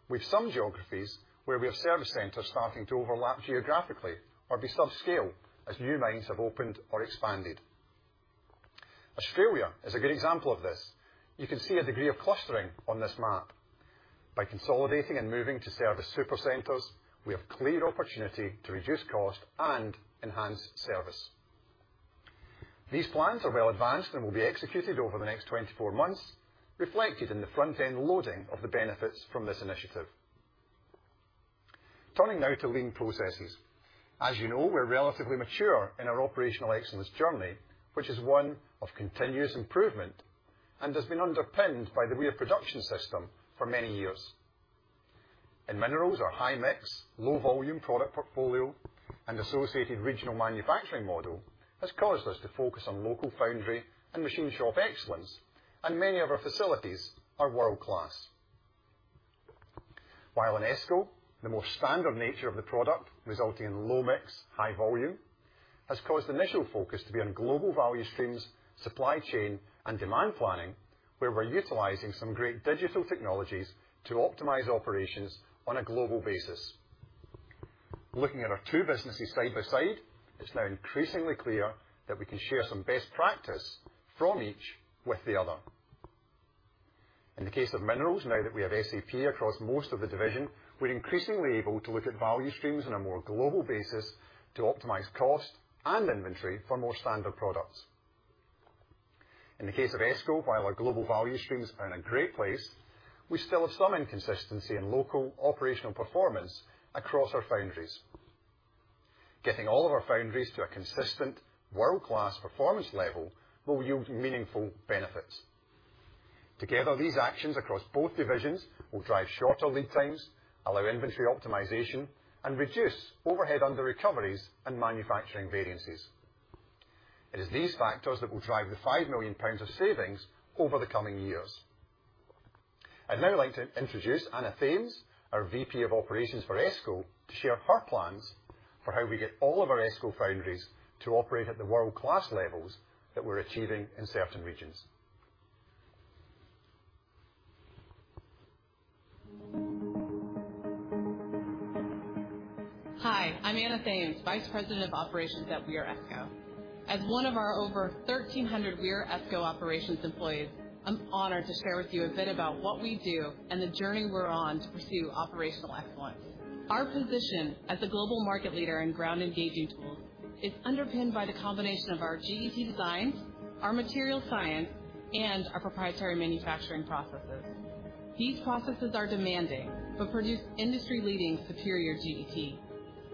we have some geographies where we have service centers starting to overlap geographically or be subscale as new mines have opened or expanded. Australia is a good example of this. You can see a degree of clustering on this map. By consolidating and moving to service super centers, we have clear opportunity to reduce cost and enhance service. These plans are well advanced and will be executed over the next 24 months, reflected in the front-end loading of the benefits from this initiative. Turning now to lean processes. As you know, we're relatively mature in our operational excellence journey, which is one of continuous improvement and has been underpinned by the Weir Production System for many years. In Minerals, our high-mix, low-volume product portfolio and associated regional manufacturing model has caused us to focus on local foundry and machine shop excellence, and many of our facilities are world-class. While in ESCO, the more standard nature of the product, resulting in low mix, high volume, has caused initial focus to be on global value streams, supply chain, and demand planning, where we're utilizing some great digital technologies to optimize operations on a global basis. Looking at our two businesses side by side, it's now increasingly clear that we can share some best practice from each with the other. In the case of minerals, now that we have SAP across most of the division, we're increasingly able to look at value streams on a more global basis to optimize cost and inventory for more standard products. In the case of ESCO, while our global value streams are in a great place, we still have some inconsistency in local operational performance across our foundries. Getting all of our foundries to a consistent world-class performance level will yield meaningful benefits. Together, these actions across both divisions will drive shorter lead times, allow inventory optimization, and reduce overhead under recoveries and manufacturing variances. It is these factors that will drive the 5 million pounds of savings over the coming years. I'd now like to introduce Anna Thames, our VP of operations for ESCO, to share her plans for how we get all of our ESCO foundries to operate at the world-class levels that we're achieving in certain regions. Hi, I'm Anna Thames, Vice President, Global Operations, Weir ESCO. As one of our over 1,300 Weir ESCO operations employees, I'm honored to share with you a bit about what we do and the journey we're on to pursue operational excellence. Our position as a global market leader in ground engaging tools is underpinned by the innovation of our GET designs, our materials science, and our proprietary manufacturing processes. These processes are demanding, but produce industry-leading superior GET.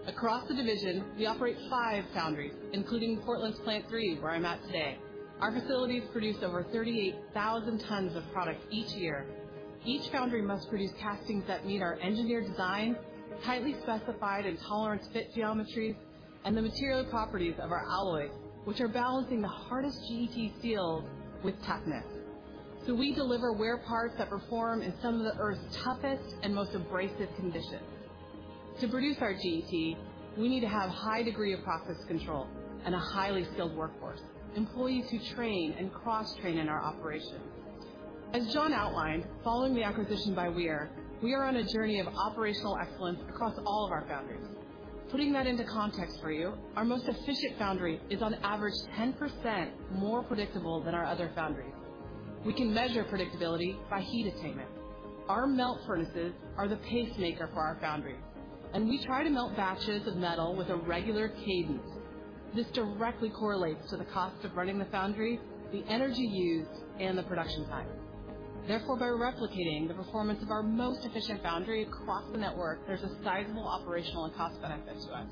Across the division, we operate 5 foundries, including Portland's Plant 3 where I'm at today. Our facilities produce over 38,000 tons of product each year. Each foundry must produce castings that meet our engineered design, tightly specified and tolerance fit geometries, and the material properties of our alloys, which are balancing the hardest GET steel with toughness. We deliver wear parts that perform in some of the Earth's toughest and most abrasive conditions. To produce our GET, we need to have high degree of process control and a highly skilled workforce, employees who train and cross-train in our operations. As John outlined, following the acquisition by Weir, we are on a journey of operational excellence across all of our foundries. Putting that into context for you, our most efficient foundry is on average 10% more predictable than our other foundries. We can measure predictability by fleet attainment. Our melt furnaces are the pacemaker for our foundry, and we try to melt batches of metal with a regular cadence. This directly correlates to the cost of running the foundry, the energy used, and the production time. Therefore, by replicating the performance of our most efficient foundry across the network, there's a sizable operational and cost benefit to us.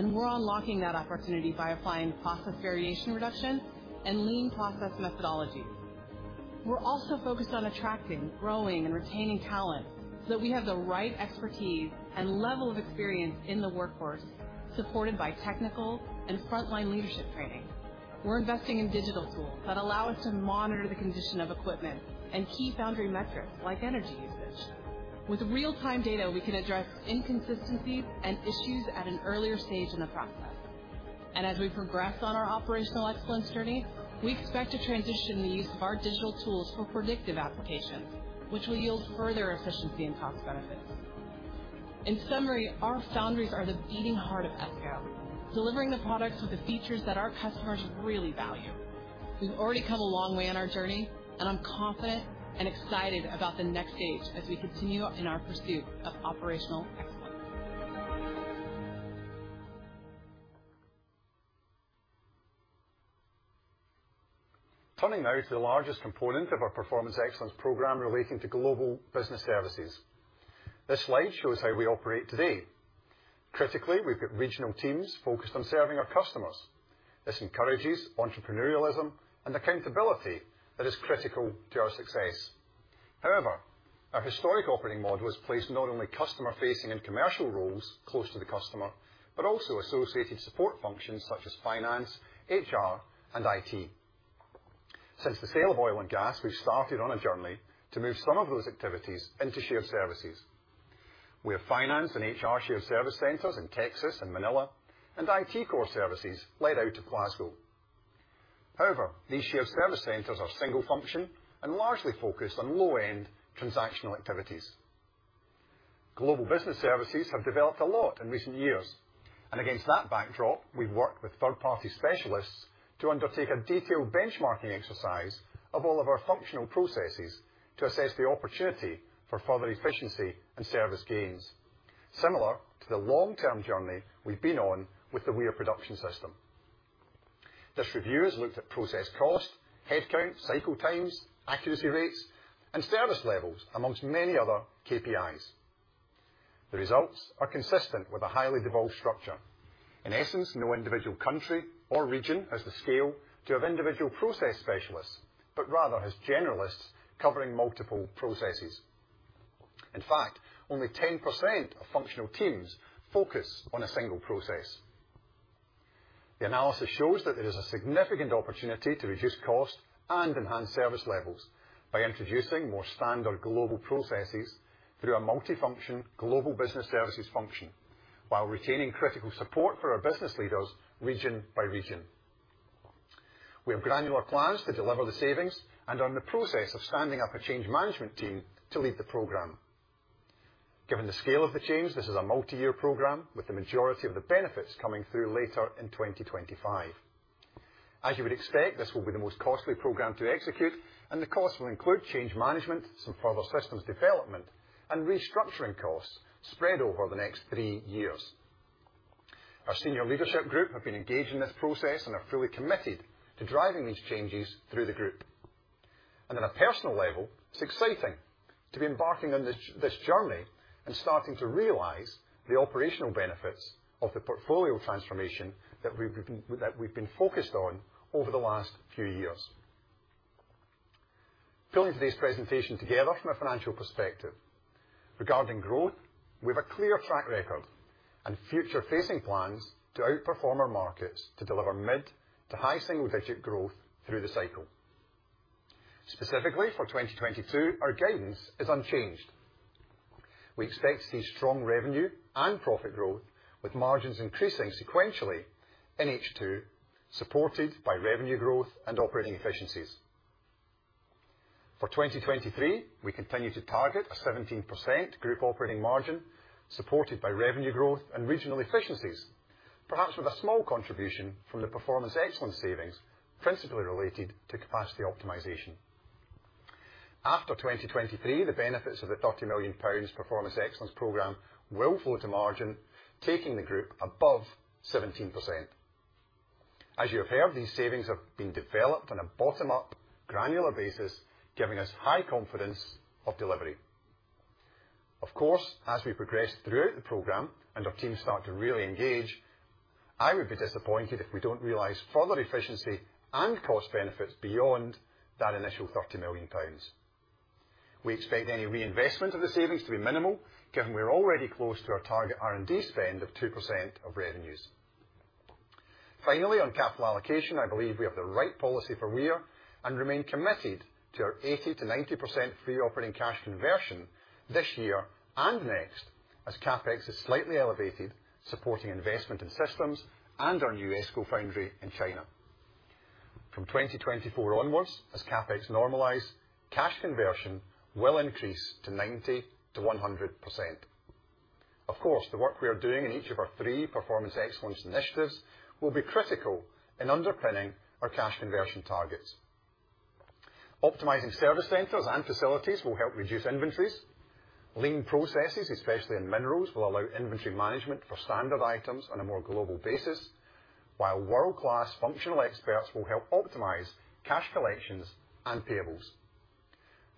We're unlocking that opportunity by applying process variation reduction and lean process methodology. We're also focused on attracting, growing, and retaining talent so that we have the right expertise and level of experience in the workforce, supported by technical and frontline leadership training. We're investing in digital tools that allow us to monitor the condition of equipment and key foundry metrics like energy usage. With real-time data, we can address inconsistencies and issues at an earlier stage in the process. We progress on our operational excellence journey, we expect to transition the use of our digital tools for predictive applications, which will yield further efficiency and cost benefits. In summary, our foundries are the beating heart of ESCO, delivering the products with the features that our customers really value. We've already come a long way on our journey, and I'm confident and excited about the next stage as we continue in our pursuit of operational excellence. Turning now to the largest component of our Performance Excellence program relating to Global Business Services. This slide shows how we operate today. Critically, we've got regional teams focused on serving our customers. This encourages entrepreneurialism and accountability that is critical to our success. However, our historic operating model has placed not only customer facing and commercial roles close to the customer, but also associated support functions such as finance, HR, and IT. Since the sale of oil and gas, we've started on a journey to move some of those activities into shared services. We have finance and HR shared service centers in Texas and Manila, and IT core services located in Glasgow. However, these shared service centers are single function and largely focused on low-end transactional activities. Global Business Services have developed a lot in recent years, and against that backdrop, we've worked with third-party specialists to undertake a detailed benchmarking exercise of all of our functional processes to assess the opportunity for further efficiency and service gains, similar to the long-term journey we've been on with the Weir Production System. This review has looked at process cost, headcount, cycle times, accuracy rates, and service levels among many other KPIs. The results are consistent with a highly devolved structure. In essence, no individual country or region has the scale to have individual process specialists, but rather has generalists covering multiple processes. In fact, only 10% of functional teams focus on a single process. The analysis shows that there is a significant opportunity to reduce cost and enhance service levels by introducing more standard global processes through a multifunction Global Business Services function while retaining critical support for our business leaders region by region. We have granular plans to deliver the savings and are in the process of standing up a change management team to lead the program. Given the scale of the change, this is a multi-year program with the majority of the benefits coming through later in 2025. As you would expect, this will be the most costly program to execute, and the cost will include change management, some further systems development, and restructuring costs spread over the next three years. Our senior leadership group have been engaged in this process and are fully committed to driving these changes through the group. On a personal level, it's exciting to be embarking on this journey and starting to realize the operational benefits of the portfolio transformation that we've been focused on over the last few years. Pulling today's presentation together from a financial perspective. Regarding growth, we have a clear track record and future facing plans to outperform our markets to deliver mid-to-high single digit growth through the cycle. Specifically for 2022, our guidance is unchanged. We expect to see strong revenue and profit growth with margins increasing sequentially in H2, supported by revenue growth and operating efficiencies. For 2023, we continue to target a 17% group operating margin supported by revenue growth and regional efficiencies, perhaps with a small contribution from the Performance Excellence savings, principally related to capacity optimization. After 2023, the benefits of the 30 million pounds Performance Excellence program will flow to margin, taking the group above 17%. As you have heard, these savings have been developed on a bottom-up, granular basis, giving us high confidence of delivery. Of course, as we progress throughout the program and our teams start to really engage, I would be disappointed if we don't realize further efficiency and cost benefits beyond that initial 30 million pounds. We expect any reinvestment of the savings to be minimal, given we're already close to our target R&D spend of 2% of revenues. Finally, on capital allocation, I believe we have the right policy for Weir and remain committed to our 80%-90% free operating cash conversion this year and next, as CapEx is slightly elevated, supporting investment in systems and our new ESCO foundry in China. From 2024 onwards, as CapEx normalize, cash conversion will increase to 90%-100%. Of course, the work we are doing in each of our three Performance Excellence initiatives will be critical in underpinning our cash conversion targets. Optimizing service centers and facilities will help reduce inventories. Lean processes, especially in minerals, will allow inventory management for standard items on a more global basis. While world-class functional experts will help optimize cash collections and payables.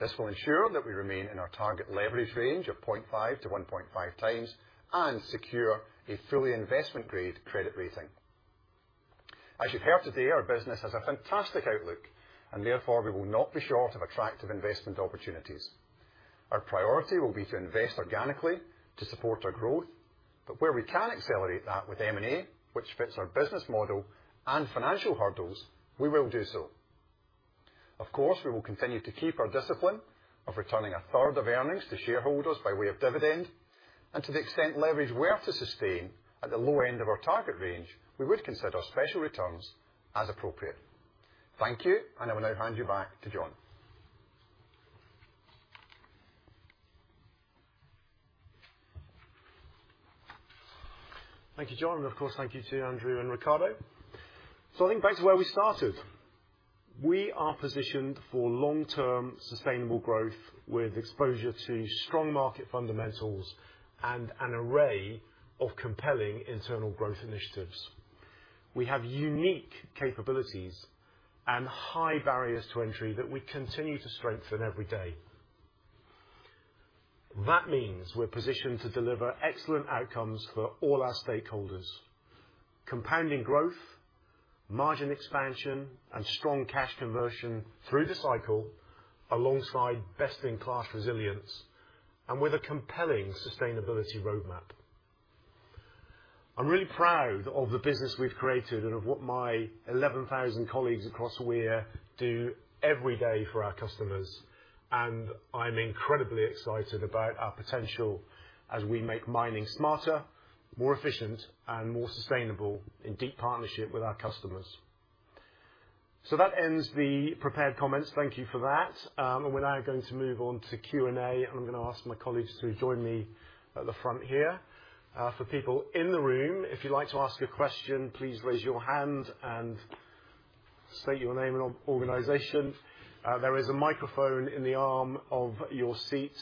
This will ensure that we remain in our target leverage range of 0.5-1.5x and secure a fully investment-grade credit rating. As you've heard today, our business has a fantastic outlook, and therefore, we will not be short of attractive investment opportunities. Our priority will be to invest organically to support our growth, but where we can accelerate that with M&A, which fits our business model and financial hurdles, we will do so. Of course, we will continue to keep our discipline of returning a third of earnings to shareholders by way of dividend, and to the extent leverage we have to sustain at the low end of our target range, we would consider special returns as appropriate. Thank you, and I will now hand you back to John. Thank you, John, and of course, thank you to Andrew and Ricardo. I think back to where we started. We are positioned for long-term sustainable growth with exposure to strong market fundamentals and an array of compelling internal growth initiatives. We have unique capabilities and high barriers to entry that we continue to strengthen every day. That means we're positioned to deliver excellent outcomes for all our stakeholders. Compounding growth, margin expansion, and strong cash conversion through the cycle alongside best-in-class resilience and with a compelling sustainability roadmap. I'm really proud of the business we've created and of what my 11,000 colleagues across Weir do every day for our customers, and I'm incredibly excited about our potential as we make mining smarter, more efficient, and more sustainable in deep partnership with our customers. That ends the prepared comments. Thank you for that. We're now going to move on to Q&A. I'm gonna ask my colleagues to join me at the front here. For people in the room, if you'd like to ask a question, please raise your hand and state your name and organization. There is a microphone in the arm of your seat,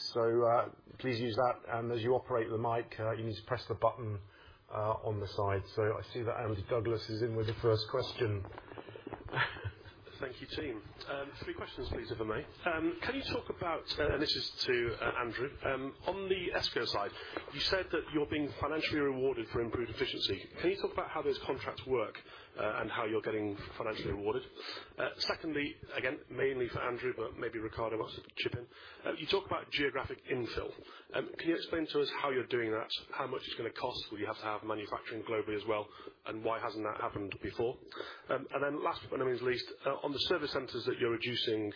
please use that. As you operate the mic, you need to press the button on the side. I see that Andrew Douglas is in with the first question. Thank you, team. Three questions, please, if I may. Can you talk about, and this is to, Andrew. On the ESCO side, you said that you're being financially rewarded for improved efficiency. Can you talk about how those contracts work, and how you're getting financially rewarded? Secondly, again, mainly for Andrew, but maybe Ricardo wants to chip in. You talk about geographic infill. Can you explain to us how you're doing that? How much it's gonna cost? Will you have to have manufacturing globally as well? And why hasn't that happened before? And then last but not least, on the service centers that you're reducing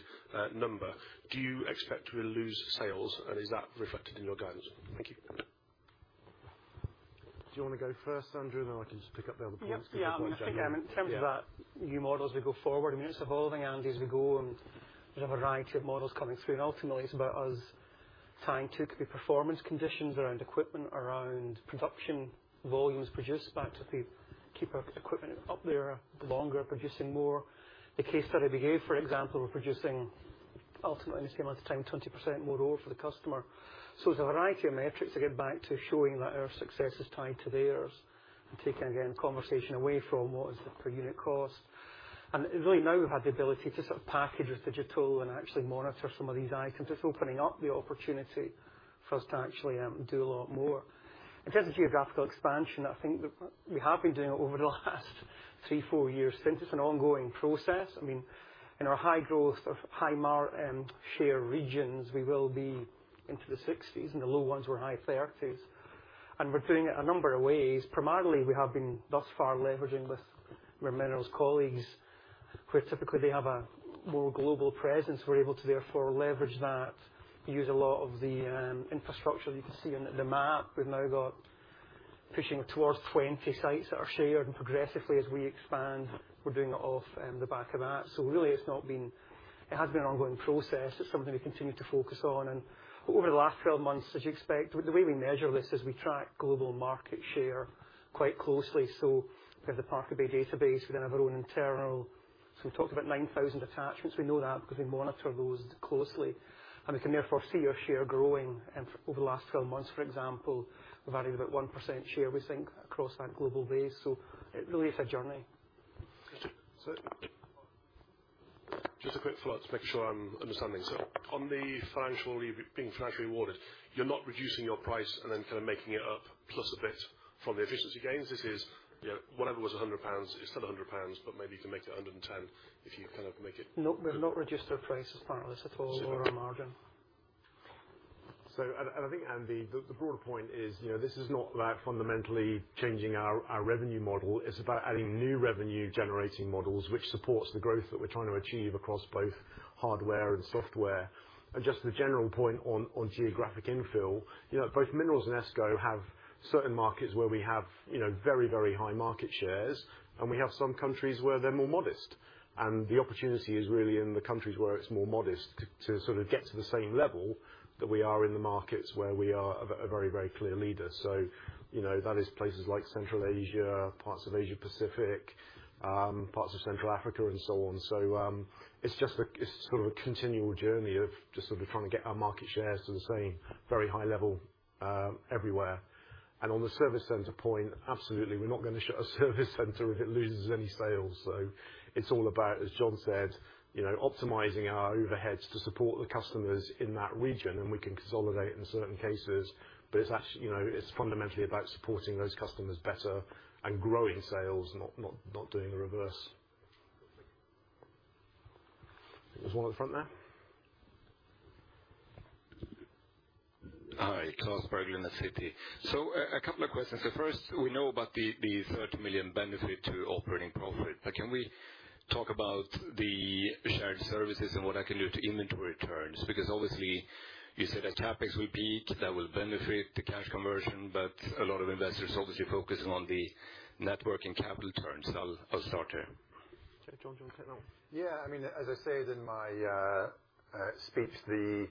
number, do you expect to lose sales? And is that reflected in your guidance? Thank you. Do you want to go first, Andrew, and then I can just pick up the other points? Yeah, I mean, in terms of that new model as we go forward, I mean, it's evolving, Andy, as we go, and there's a variety of models coming through, and ultimately, it's about us tying two key performance conditions around equipment, around production volumes produced back to if we keep our equipment up there longer, producing more. The case study we gave, for example, we're producing ultimately in the same amount of time, 20% more ore for the customer. There's a variety of metrics to get back to showing that our success is tied to theirs and taking again, conversation away from what is the per unit cost. Really now we've had the ability to sort of package this digital and actually monitor some of these items. It's opening up the opportunity for us to actually do a lot more. In terms of geographical expansion, I think that we have been doing it over the last 3, 4 years since it's an ongoing process. I mean, in our high growth, high margin share regions, we will be into the 60s%, and the low ones were high 30s%. We're doing it a number of ways. Primarily, we have been thus far leveraging with our minerals colleagues, where typically they have a more global presence. We're able to therefore leverage that, use a lot of the infrastructure that you can see on the map. We've now got pushing towards 20 sites that are shared, and progressively, as we expand, we're doing it off the back of that. Really, it has been an ongoing process. It's something we continue to focus on. Over the last 12 months, as you expect, the way we measure this is we track global market share quite closely. We have the Parker Bay database; we then have our own internal. We talked about 9,000 attachments. We know that because we monitor those closely, and we can therefore see our share growing. Over the last 12 months, for example, we've added about 1% share, we think, across that global base. It really is a journey. Sir? Just a quick follow-up to make sure I'm understanding. On the financially being financially rewarded, you're not reducing your price and then kind of making it up plus a bit from the efficiency gains. This is, you know, whatever was 100 pounds is still 100 pounds, but maybe you can make it 110 if you kind of make it. No, we've not reduced our price as part of this at all or our margin. I think, Andy, the broader point is, you know, this is not about fundamentally changing our revenue model. It's about adding new revenue generating models, which supports the growth that we're trying to achieve across both hardware and software. Just the general point on geographic infill, you know, both Minerals and ESCO have certain markets where we have very high market shares, and we have some countries where they're more modest. The opportunity is really in the countries where it's more modest to sort of get to the same level that we are in the markets where we are a very clear leader. You know, that is places like Central Asia, parts of Asia-Pacific, parts of Central Africa and so on. It's sort of a continual journey of just sort of trying to get our market share to the same very high level everywhere. On the service center point, absolutely, we're not gonna shut a service center if it loses any sales. It's all about, as John said, you know, optimizing our overheads to support the customers in that region, and we can consolidate in certain cases. You know, it's fundamentally about supporting those customers better and growing sales, not doing the reverse. There's one at the front there. Hi. Klas Bergelind at Citi. A couple of questions. The first, we know about the 30 million benefit to operating profit. But can we talk about the shared services and what that can do to inventory turns? Because obviously you said that CapEx will peak, that will benefit the cash conversion, but a lot of investors obviously focusing on the net working capital turns. I'll start here. Jon, do you want to take that one? Yeah. I mean, as I said in my speech,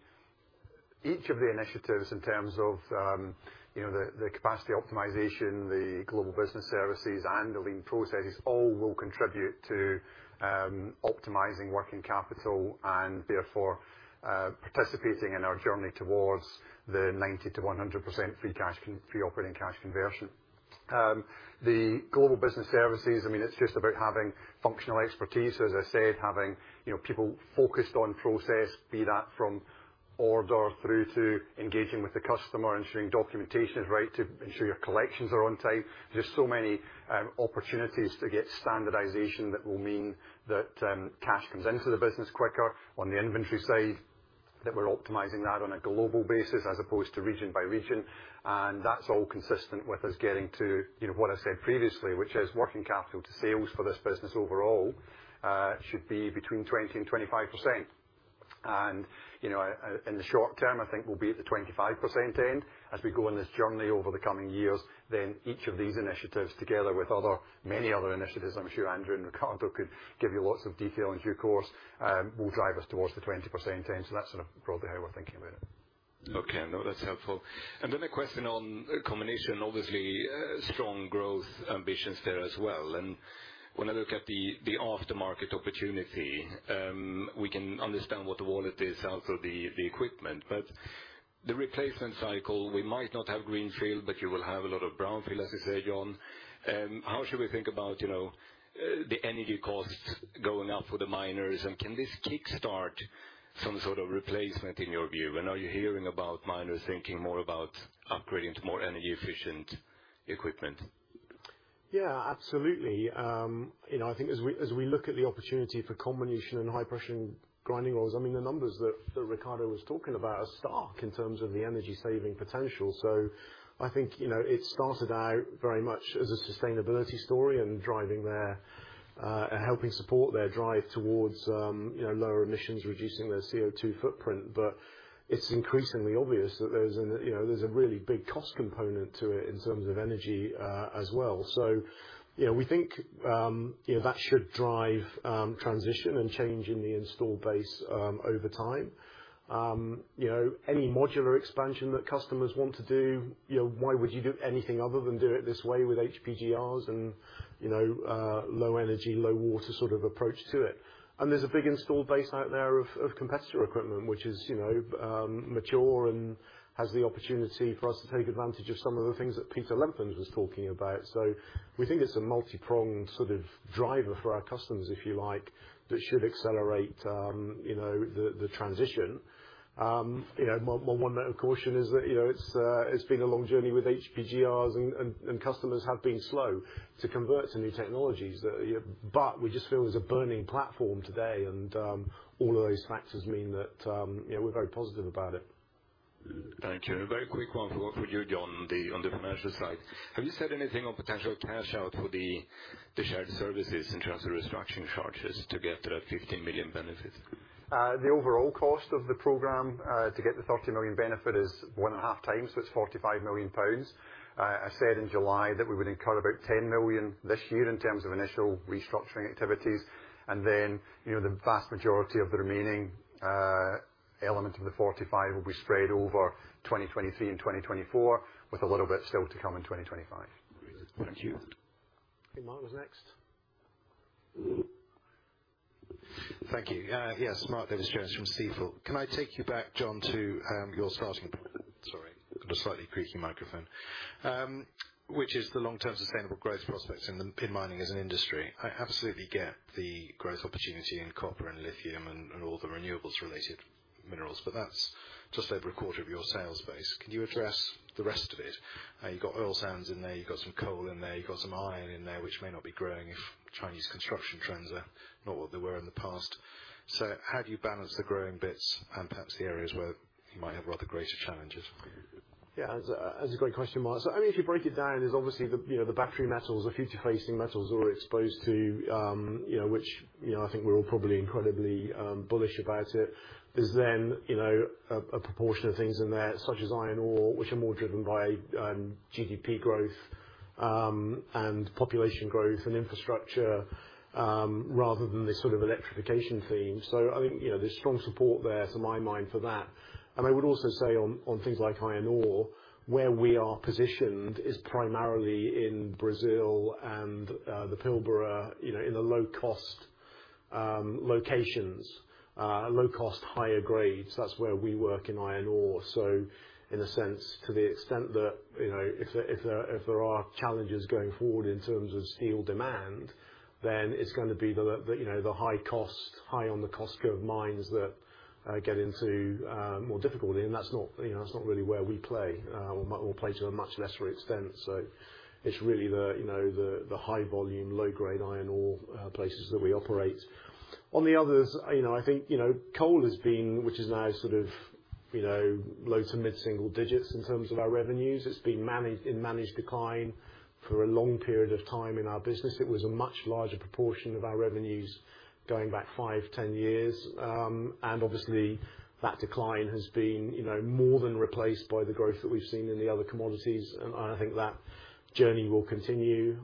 each of the initiatives in terms of, you know, the capacity optimization, the global business services and the lean processes all will contribute to optimizing working capital and therefore participating in our journey towards the 90%-100% free operating cash conversion. The global business services, I mean, it's just about having functional expertise. So as I said, having, you know, people focused on process, be that from order through to engaging with the customer, ensuring documentation is right to ensure your collections are on time. There's so many opportunities to get standardization that will mean that cash comes into the business quicker on the inventory side, that we're optimizing that on a global basis as opposed to region by region. That's all consistent with us getting to, you know, what I said previously, which is working capital to sales for this business overall should be between 20% and 25%. You know, in the short term, I think we'll be at the 25% end. As we go on this journey over the coming years, then each of these initiatives, together with other, many other initiatives, I'm sure Andrew and Ricardo could give you lots of detail in due course, will drive us towards the 20% end. That's sort of broadly how we're thinking about it. Okay. No, that's helpful. A question on comminution. Obviously, strong growth ambitions there as well. When I look at the aftermarket opportunity, we can understand what the wallet is out of the equipment. But the replacement cycle, we might not have greenfield, but you will have a lot of brownfield, as you say, John. How should we think about the energy costs going up for the miners? Can this kickstart some sort of replacement in your view? Are you hearing about miners thinking more about upgrading to more energy efficient equipment? Yeah, absolutely. I think as we look at the opportunity for comminution and high-pressure grinding rolls, I mean, the numbers that Ricardo was talking about are stark in terms of the energy-saving potential. I think it started out very much as a sustainability story and driving their helping support their drive towards lower emissions, reducing their CO2 footprint. It's increasingly obvious that there's a really big cost component to it in terms of energy as well. We think that should drive transition and change in the installed base over time. You know, any modular expansion that customers want to do, you know, why would you do anything other than do it this way with HPGRs and, you know, low energy, low water sort of approach to it. There's a big installed base out there of competitor equipment, which is, you know, mature and has the opportunity for us to take advantage of some of the things that Peter Lempens was talking about. We think it's a multipronged sort of driver for our customers, if you like, that should accelerate, you know, the transition. One note of caution is that, you know, it's been a long journey with HPGRs and customers have been slow to convert to new technologies. We just feel there's a burning platform today and all of those factors mean that, you know, we're very positive about it. Thank you. A very quick one for you, John, on the financial side. Have you said anything on potential cash out for the shared services in terms of restructuring charges to get the 15 million benefit? The overall cost of the program to get the 30 million benefit is one and a half times, so it's 45 million pounds. I said in July that we would incur about 10 million this year in terms of initial restructuring activities. Then, you know, the vast majority of the remaining element of the 45 will be spread over 2023 and 2024, with a little bit still to come in 2025. Thank you. I think Mark was next. Thank you. Yes, Mark from Stifel. Can I take you back, Jon, to your starting point? Sorry, slightly squeaky microphone. Which is the long-term sales growth prospects in the mining as an industry. I absolutely get the growth opportunity in copper and lithium and all the renewables-related minerals, but that’s just a quarter of your sales base. Could you address the rest of it? You’ve got oil sands in there, you’ve got some coal in there, you’ve got some iron in there, which may not be growing if Chinese construction trends are not what they were in the past. So how do you balance the growth bits and perhaps the areas where mining has the greatest challenges? Yeah, that's a great question, Mark. So I mean, if you break it down, there's obviously the you know the battery metals, the future facing metals we're exposed to, you know, which, you know, I think we're all probably incredibly bullish about it, is then, you know, a proportion of things in there, such as iron ore, which are more driven by GDP growth and population growth and infrastructure rather than the sort of electrification theme. So, I think, you know, there's strong support there to my mind for that. I would also say on things like iron ore, where we are positioned is primarily in Brazil and the Pilbara, you know, in the low-cost locations, higher grades. That's where we work in iron ore. In a sense, to the extent that, you know, if there are challenges going forward in terms of steel demand, then it's gonna be the, you know, the high-cost, high on the cost curve mines that get into more difficulty. That's not really where we play or play to a much lesser extent. It's really the, you know, the high-volume, low-grade iron ore places that we operate. On the others, you know, I think, you know, coal has been, which is now sort of, you know, low- to mid-single-digit% of our revenues. It's been managed in managed decline for a long period of time in our business. It was a much larger proportion of our revenues going back 5, 10 years. Obviously that decline has been, you know, more than replaced by the growth that we've seen in the other commodities, and I think that journey will continue.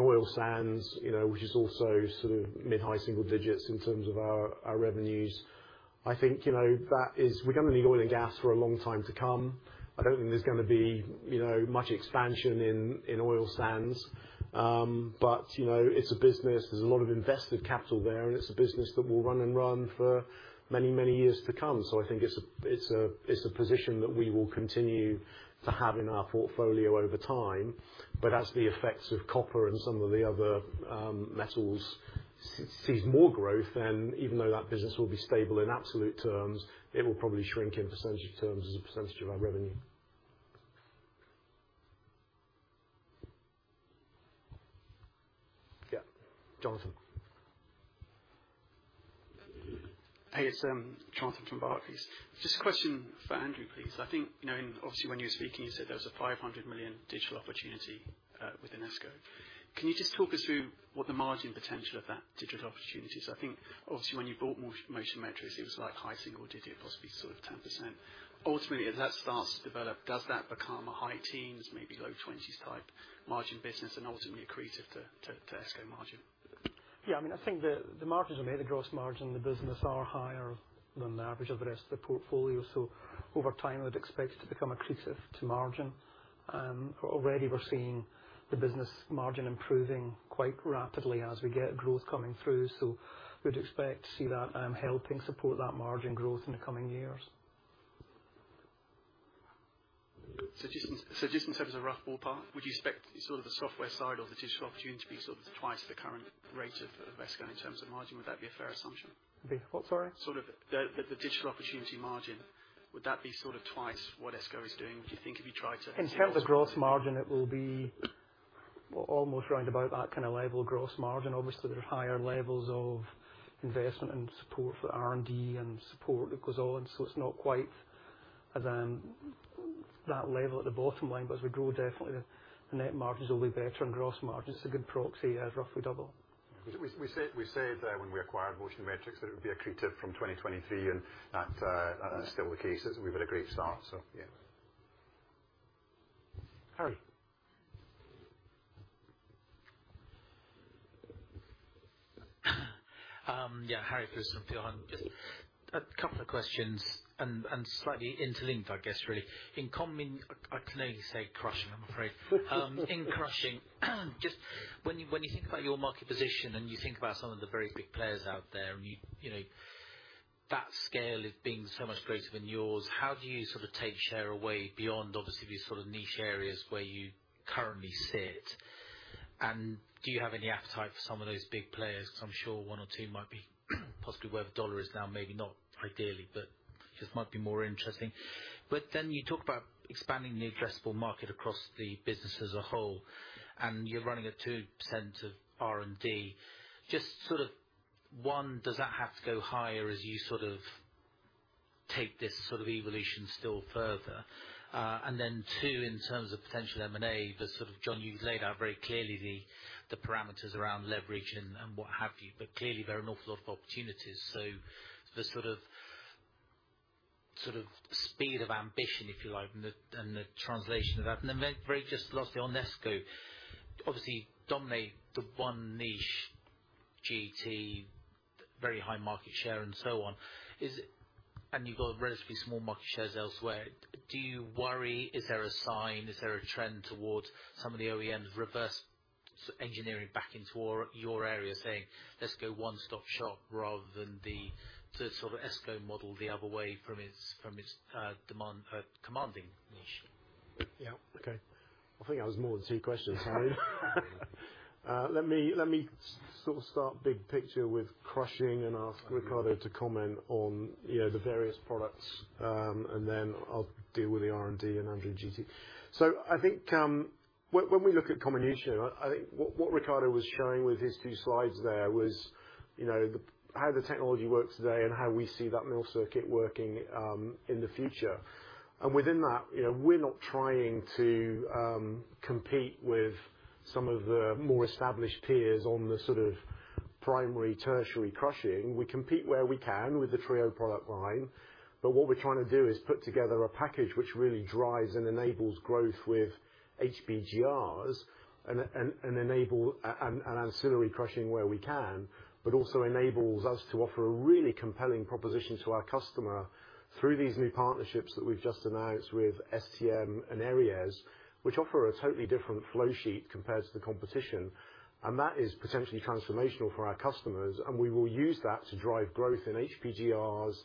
Oil sands, you know, which is also sort of mid-high single digits in terms of our revenues. I think, you know, we're gonna need oil and gas for a long time to come. I don't think there's gonna be, you know, much expansion in oil sands. You know, it's a business. There's a lot of invested capital there, and it's a business that will run and run for many, many years to come. I think it's a position that we will continue to have in our portfolio over time. As the effects of copper and some of the other metals sees more growth, and even though that business will be stable in absolute terms, it will probably shrink in percentage terms as a percentage of our revenue. Yeah. Jonathan. Hey, it's Jonathan from Barclays. Just a question for Andrew, please. I think obviously when .ou were speaking, you said there was a 500 million digital opportunity within ESCO. Can you just talk us through what the margin potential of that digital opportunity is? I think obviously when you bought Motion Metrics, it was like high single digits, possibly sort of 10%. Ultimately, as that starts to develop, does that become a high teens, maybe low twenties type margin business and ultimately accretive to ESCO margin? Yeah, I mean, I think the margins we made, the gross margin in the business are higher than the average of the rest of the portfolio. Over time, I'd expect it to become accretive to margin. Already we're seeing the business margin improving quite rapidly as we get growth coming through. We'd expect to see that helping support that margin growth in the coming years. Just in terms of rough ballpark, would you expect sort of the software side of the digital opportunity to be sort of twice the current rate of ESCO in terms of margin? Would that be a fair assumption? Be what, sorry? Sort of the digital opportunity margin, would that be sort of twice what ESCO is doing, would you think, if you tried to- In terms of gross margin, it will be. Well, almost around about that kind of level gross margin. Obviously, there are higher levels of investment and support for R&D and support that goes on. It's not quite as that level at the bottom line. As we grow, definitely the net margins will be better and gross margins, it's a good proxy, yes, roughly double. We said when we acquired Motion Metrics that it would be accretive from 2023, and that is still the case. We've had a great start, so, yeah. Harry. Harry Lvos from Berenberg. A couple of questions and slightly interlinked, I guess, really. In crushing, I'm afraid. Just when you think about your market position and you think about some of the very big players out there, and you know that scale as being so much greater than yours, how do you sort of take share away beyond obviously the sort of niche areas where you currently sit? Do you have any appetite for some of those big players? Because I'm sure one or two might be possibly where the dollar is now, maybe not ideally, but just might be more interesting. Then you talk about expanding the addressable market across the business as a whole, and you're running at 2% of R&D. Just sort of one, does that have to go higher as you sort of take this sort of evolution still further? And then two, in terms of potential M&A, but sort of John, you've laid out very clearly the parameters around leverage and what have you. Clearly, there are an awful lot of opportunities. The sort of speed of ambition, if you like, and the translation of that. Then very just lastly on ESCO. Obviously, you dominate the one niche, GET, very high market share and so on. You've got relatively small market shares elsewhere. Do you worry? Is there a trend towards some of the OEMs reverse engineering back into your area, saying, "Let's go one-stop shop," rather than the sort of ESCO model the other way from its demand commanding niche? Yeah. Okay. I think that was more than two questions, Harry. Let me sort of start big picture with crushing and ask Ricardo to comment on, you know, the various products. Then I'll deal with the R&D and your GET. I think when we look at comminution, I think what Ricardo was showing with his two slides there was, you know, how the technology works today and how we see that mill circuit working in the future. Within that, you know, we're not trying to compete with some of the more established peers on the sort of primary, tertiary crushing. We compete where we can with the Trio product line. What we're trying to do is put together a package which really drives and enables growth with HPGRs and enable an ancillary crushing where we can, but also enables us to offer a really compelling proposition to our customer through these new partnerships that we've just announced with STM and Eriez, which offer a totally different flow sheet compared to the competition. That is potentially transformational for our customers, and we will use that to drive growth in HPGRs,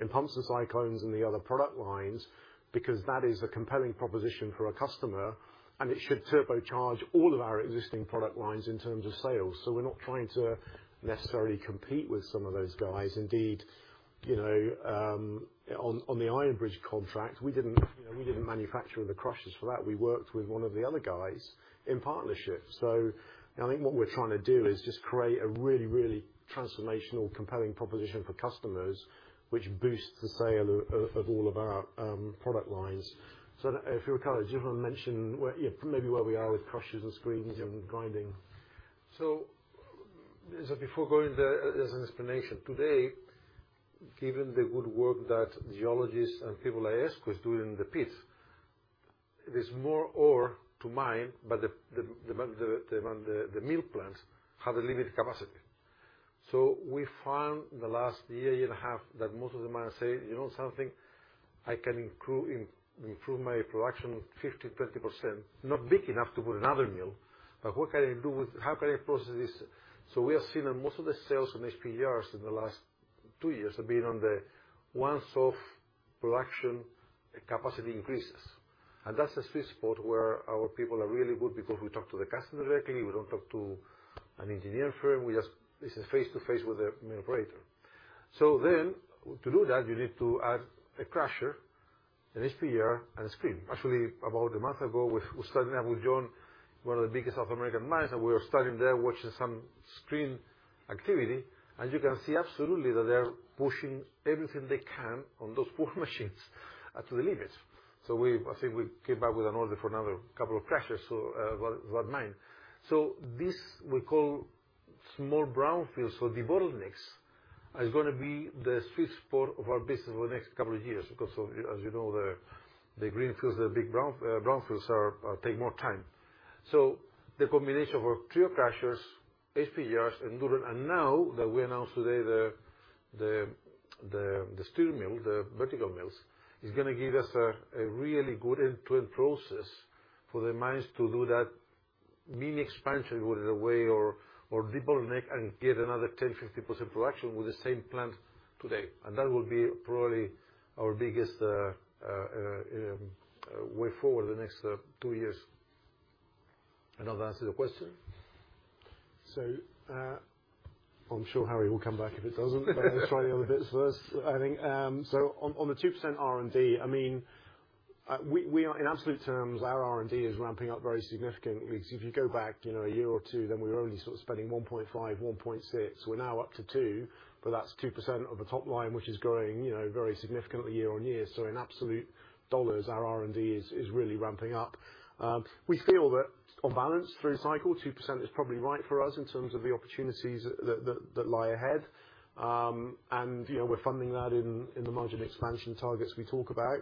in pumps and cyclones, and the other product lines, because that is a compelling proposition for our customer, and it should turbocharge all of our existing product lines in terms of sales. We're not trying to necessarily compete with some of those guys. Indeed, you know, on the Iron Bridge contract, we didn't manufacture the crushers for that. We worked with one of the other guys in partnership. I think what we're trying to do is just create a really, really transformational, compelling proposition for customers, which boosts the sale of all of our product lines. If Ricardo, do you wanna mention where, yeah, maybe where we are with crushers and screens and grinding. Before going there, as an explanation, today, given the good work that geologists and people at ESCO is doing in the pits, there's more ore to mine, but the mill plants have a limited capacity. We found in the last year and a half that most of the miners say, "You know something? I can improve my production 50, 20%. Not big enough to put another mill, but what can I do with. How can I process this?" We have seen in most of the sales from HPGRs in the last two years have been on the one-off production capacity increases. That's a sweet spot where our people are really good because we talk to the customer directly. We don't talk to an engineering firm. We just. This is face-to-face with the mill operator. To do that, you need to add a crusher, an HPGR, and a screen. Actually, about a month ago, we're starting out with John, one of the biggest South American mines, and we were starting there watching some screen activity. You can see absolutely that they're pushing everything they can on those poor machines to the limits. I think we came back with an order for another couple of crushers for that mine. This we call small brownfields. The bottlenecks is gonna be the sweet spot of our business for the next couple of years because of, as you know, the greenfields, the big brownfields take more time. The comminution of our Trio crushers, HPGRs, and Enduron, and now that we announced today the STM, the vertical mills, is gonna give us a really good end-to-end process for the mines to do that minor expansion or debottleneck and get another 10%-15% production with the same plant today. That will be probably our biggest way forward the next two years. I don't know if that answers your question. I'm sure Harry will come back if it doesn't but let's try the other bits first. I think, so on the 2% R&D, I mean, we are in absolute terms, our R&D is ramping up very significantly. If you go back, you know, a year or two, then we were only sort of spending 1.5, 1.6. We're now up to 2, but that's 2% of the top line, which is growing, you know, very significantly year-on-year. In absolute dollars, our R&D is really ramping up. We feel that on balance through cycle, 2% is probably right for us in terms of the opportunities that lie ahead. You know, we're funding that in the margin expansion targets we talk about.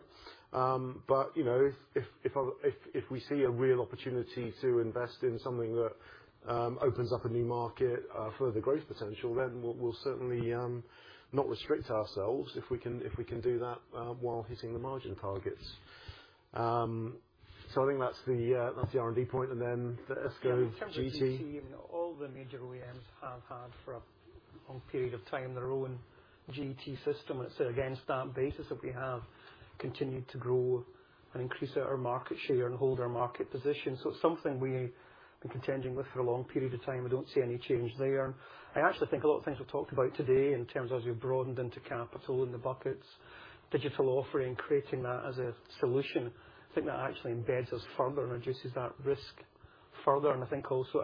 you know, if we see a real opportunity to invest in something that opens up a new market, further growth potential, then we'll certainly not restrict ourselves if we can do that while hitting the margin targets. I think that's the R&D point, and then the ESCO, GET. In terms of GET, I mean, all the major OEMs have had for a long period of time their own GET system. It's against that basis that we have continued to grow and increase our market share and hold our market position. It's something we have been contending with for a long period of time. We don't see any change there. I actually think a lot of things we've talked about today in terms as we've broadened into capital in the buckets, digital offering, creating that as a solution, I think that actually embeds us further and reduces that risk further. I think also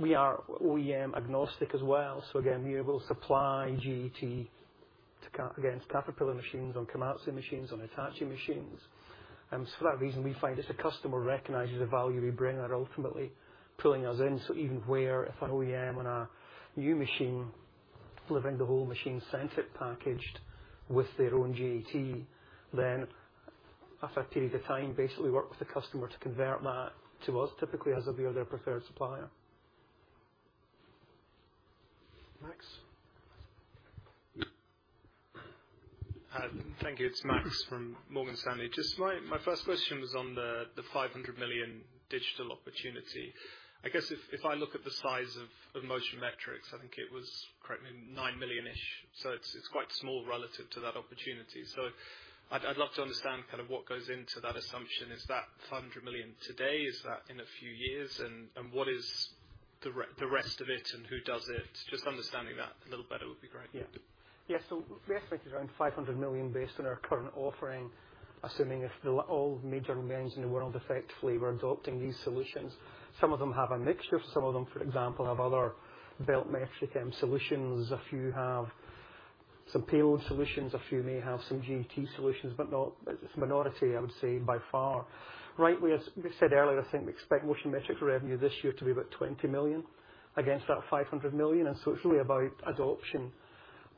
we are OEM agnostic as well. We will supply GET to Caterpillar machines, on Komatsu machines, on Hitachi machines. For that reason, we find as the customer recognizes the value we bring, they're ultimately pulling us in. Even where if an OEM on a new machine delivering the whole machine sent it packaged with their own GET, then after a period of time, basically work with the customer to convert that to us, typically as we are their preferred supplier. Max. Thank you. It's Max from Morgan Stanley. Just my first question was on the 500 million digital opportunity. I guess if I look at the size of Motion Metrics, I think it was, correct me, 9 million-ish. So it's quite small relative to that opportunity. So I'd love to understand kind of what goes into that assumption. Is that 500 million today? Is that in a few years? And what is the rest of it, and who does it? Just understanding that a little better would be great. Yeah. Yeah, we estimate it's around 500 million based on our current offering, assuming all major mines in the world effectively were adopting these solutions. Some of them have a mixture. Some of them, for example, have other belt metric solutions. A few have some payload solutions. A few may have some GET solutions, but it's a minority, I would say, by far. Right, we said earlier, I think we expect Motion Metrics revenue this year to be about 20 million against that 500 million, and so it's really about adoption.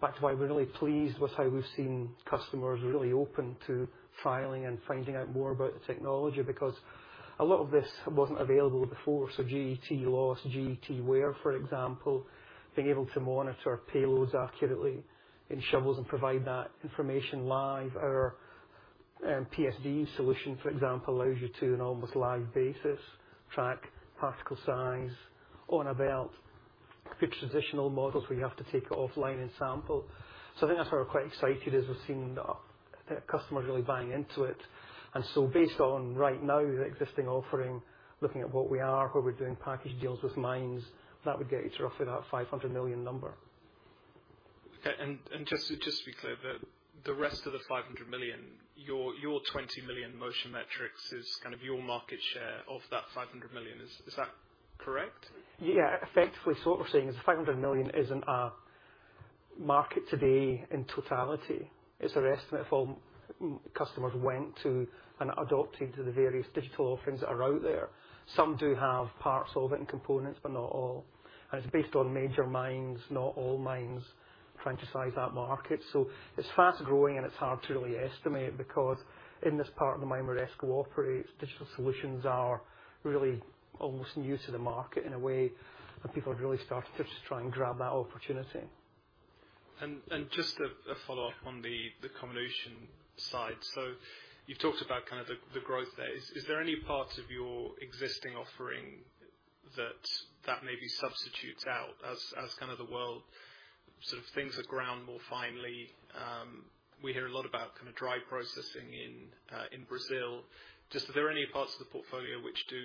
Back to why we're really pleased with how we've seen customers really open to trialing and finding out more about the technology, because a lot of this wasn't available before. GET loss, GET wear, for example, being able to monitor payloads accurately in shovels and provide that information live. Our PSD solution, for example, allows you to, on almost live basis, track particle size on a belt compared to traditional models where you have to take it offline and sample. I think that's why we're quite excited as we've seen the customers really buying into it. Based on right now, the existing offering, looking at what we are, where we're doing package deals with mines, that would get you to roughly that 500 million number. Okay. Just to be clear, the rest of the 500 million, your 20 million Motion Metrics is kind of your market share of that 500 million. Is that correct? Yeah. Effectively, what we're saying is the 500 million isn't a market today in totality. It's an estimate if all major customers went to and adopted the various digital offerings that are out there. Some do have parts of it and components, but not all. It's based on major mines, not all mines, trying to size that market. It's fast-growing, and it's hard to really estimate because in this part of the mine where ESCO operates, digital solutions are really almost new to the market in a way that people are really starting to just try and grab that opportunity. Just a follow-up on the comminution side. You've talked about kind of the growth there. Is there any part of your existing offering that maybe substitutes out as kind of the world sort of thins the ground more finely? We hear a lot about kind of dry processing in Brazil. Just, are there any parts of the portfolio which do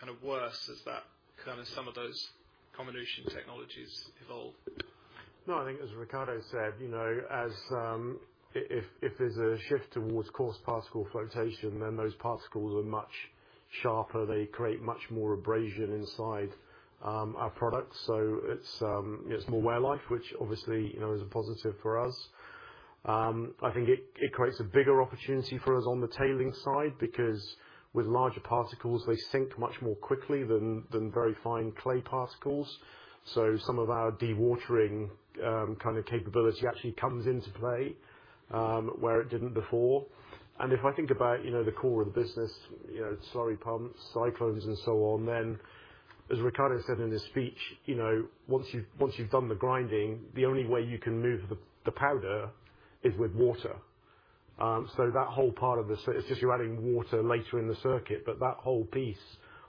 kind of worse as that, kind of some of those comminution technologies evolve? No, I think as Ricardo said, you know, as if there's a shift towards coarse particle flotation, then those particles are much sharper. They create much more abrasion inside our products. So it's, you know, it's more wear life, which obviously, you know, is a positive for us. I think it creates a bigger opportunity for us on the tailings side because with larger particles, they sink much more quickly than very fine clay particles. So some of our dewatering kind of capability actually comes into play where it didn't before. If I think about, you know, the core of the business, you know, slurry pumps, cyclones and so on, then as Ricardo said in his speech, you know, once you've done the grinding, the only way you can move the powder is with water. That whole part of the, it's just you're adding water later in the circuit, but that whole piece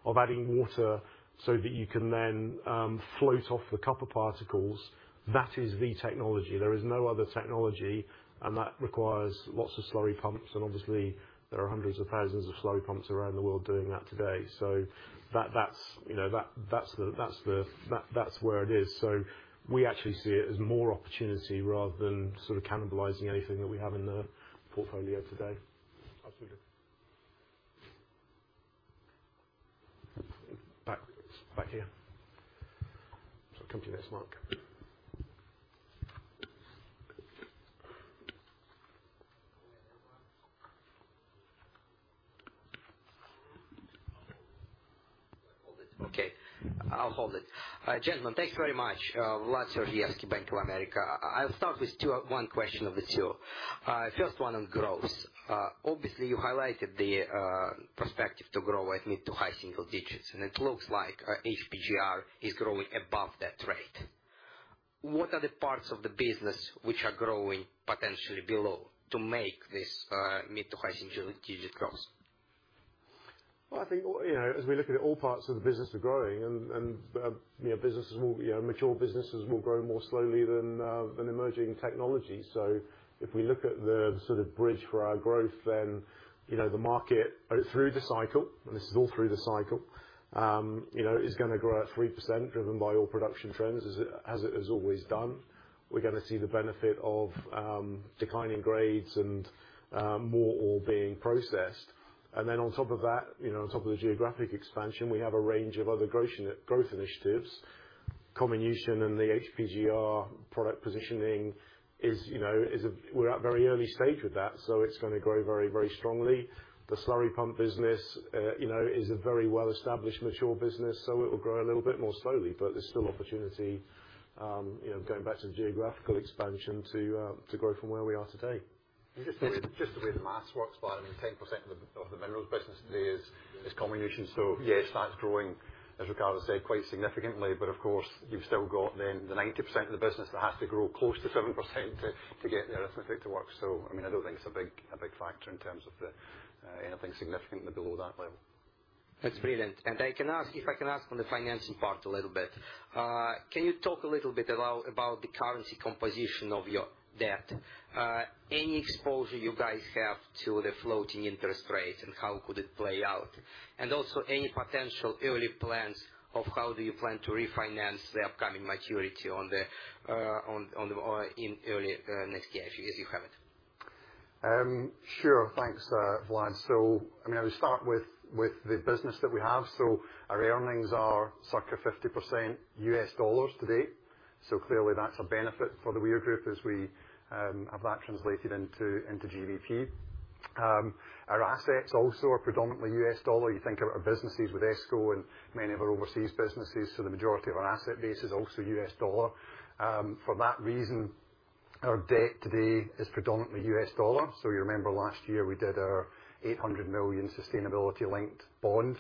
of adding water so that you can then float off the copper particles, that is the technology. There is no other technology, and that requires lots of slurry pumps. Obviously there are hundreds of thousands of slurry pumps around the world doing that today. That's, you know, that's where it is. We actually see it as more opportunity rather than sort of cannibalizing anything that we have in the portfolio today. Absolutely. Back here. I'll come to you next, Mark. Hold it. Okay. I'll hold it. Gentlemen, thank you very much. Vlad Sergievskii, Bank of America. I'll start with one question of the two. First one on growth. Obviously, you highlighted the perspective to grow at mid to high single digits, and it looks like our HPGR is growing above that rate. What are the parts of the business which are growing potentially below to make this mid to high single digit growth? Well, I think, you know, as we look at it, all parts of the business are growing and, you know, businesses will, you know, mature businesses will grow more slowly than emerging technology. If we look at the sort of bridge for our growth, then, you know, the market through the cycle, and this is all through the cycle, you know, is going to grow at 3% driven by all production trends as it has always done. We're going to see the benefit of declining grades and more ore being processed. Then on top of that, you know, on top of the geographic expansion, we have a range of other growth initiatives, comminution and the HPGR product positioning is, you know, we're at very early stage with that, so it's going to grow very, very strongly. The slurry pump business, you know, is a very well-established mature business, so it will grow a little bit more slowly. There's still opportunity, you know, going back to the geographical expansion to grow from where we are today. Just the way the math works out, I mean, 10% of the minerals business today is comminution. Yes, that's growing, as Ricardo said, quite significantly. Of course, you've still got the 90% of the business that has to grow close to 7% to get the arithmetic to work. I mean, I don't think it's a big factor in terms of anything significant below that level. That's brilliant. Can I ask on the financing part a little bit. Can you talk a little bit about the currency composition of your debt? Any exposure you guys have to the floating interest rate, and how could it play out? Also any potential early plans of how do you plan to refinance the upcoming maturity on the in early next year, if you have it. Sure. Thanks, Vlad. I mean, I would start with the business that we have. Our earnings are circa 50% US dollars today, so clearly that's a benefit for The Weir Group as we have that translated into GBP. Our assets also are predominantly US dollar. You think of our businesses with ESCO and many of our overseas businesses. The majority of our asset base is also US dollar. For that reason, our debt today is predominantly US dollar. You remember last year we did our $800 million sustainability-linked bond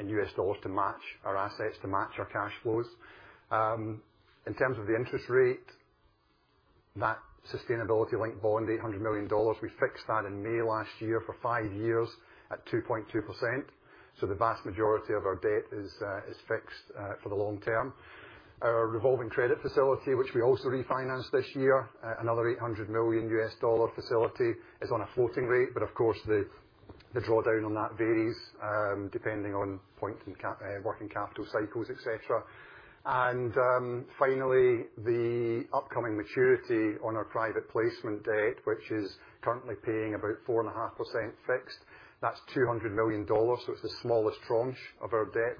in US dollars to match our assets, to match our cash flows. In terms of the interest rate, that sustainability-linked bond, $800 million, we fixed that in May last year for five years at 2.2%. The vast majority of our debt is fixed for the long term. Our revolving credit facility, which we also refinanced this year, another $800 million facility, is on a floating rate. Of course, the drawdown on that varies depending on working capital cycles, et cetera. Finally, the upcoming maturity on our private placement debt, which is currently paying about 4.5% fixed. That's $200 million. It's the smallest tranche of our debt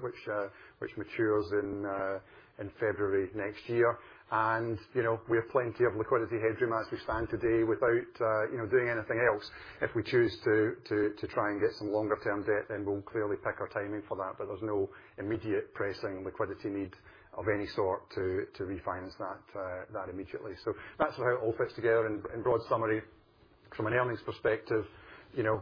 which matures in February next year. You know, we have plenty of liquidity headroom as we stand today without you know, doing anything else. If we choose to try and get some longer term debt, then we'll clearly pick our timing for that. There's no immediate pressing liquidity need of any sort to refinance that immediately. That's how it all fits together in broad summary from an earnings perspective, you know,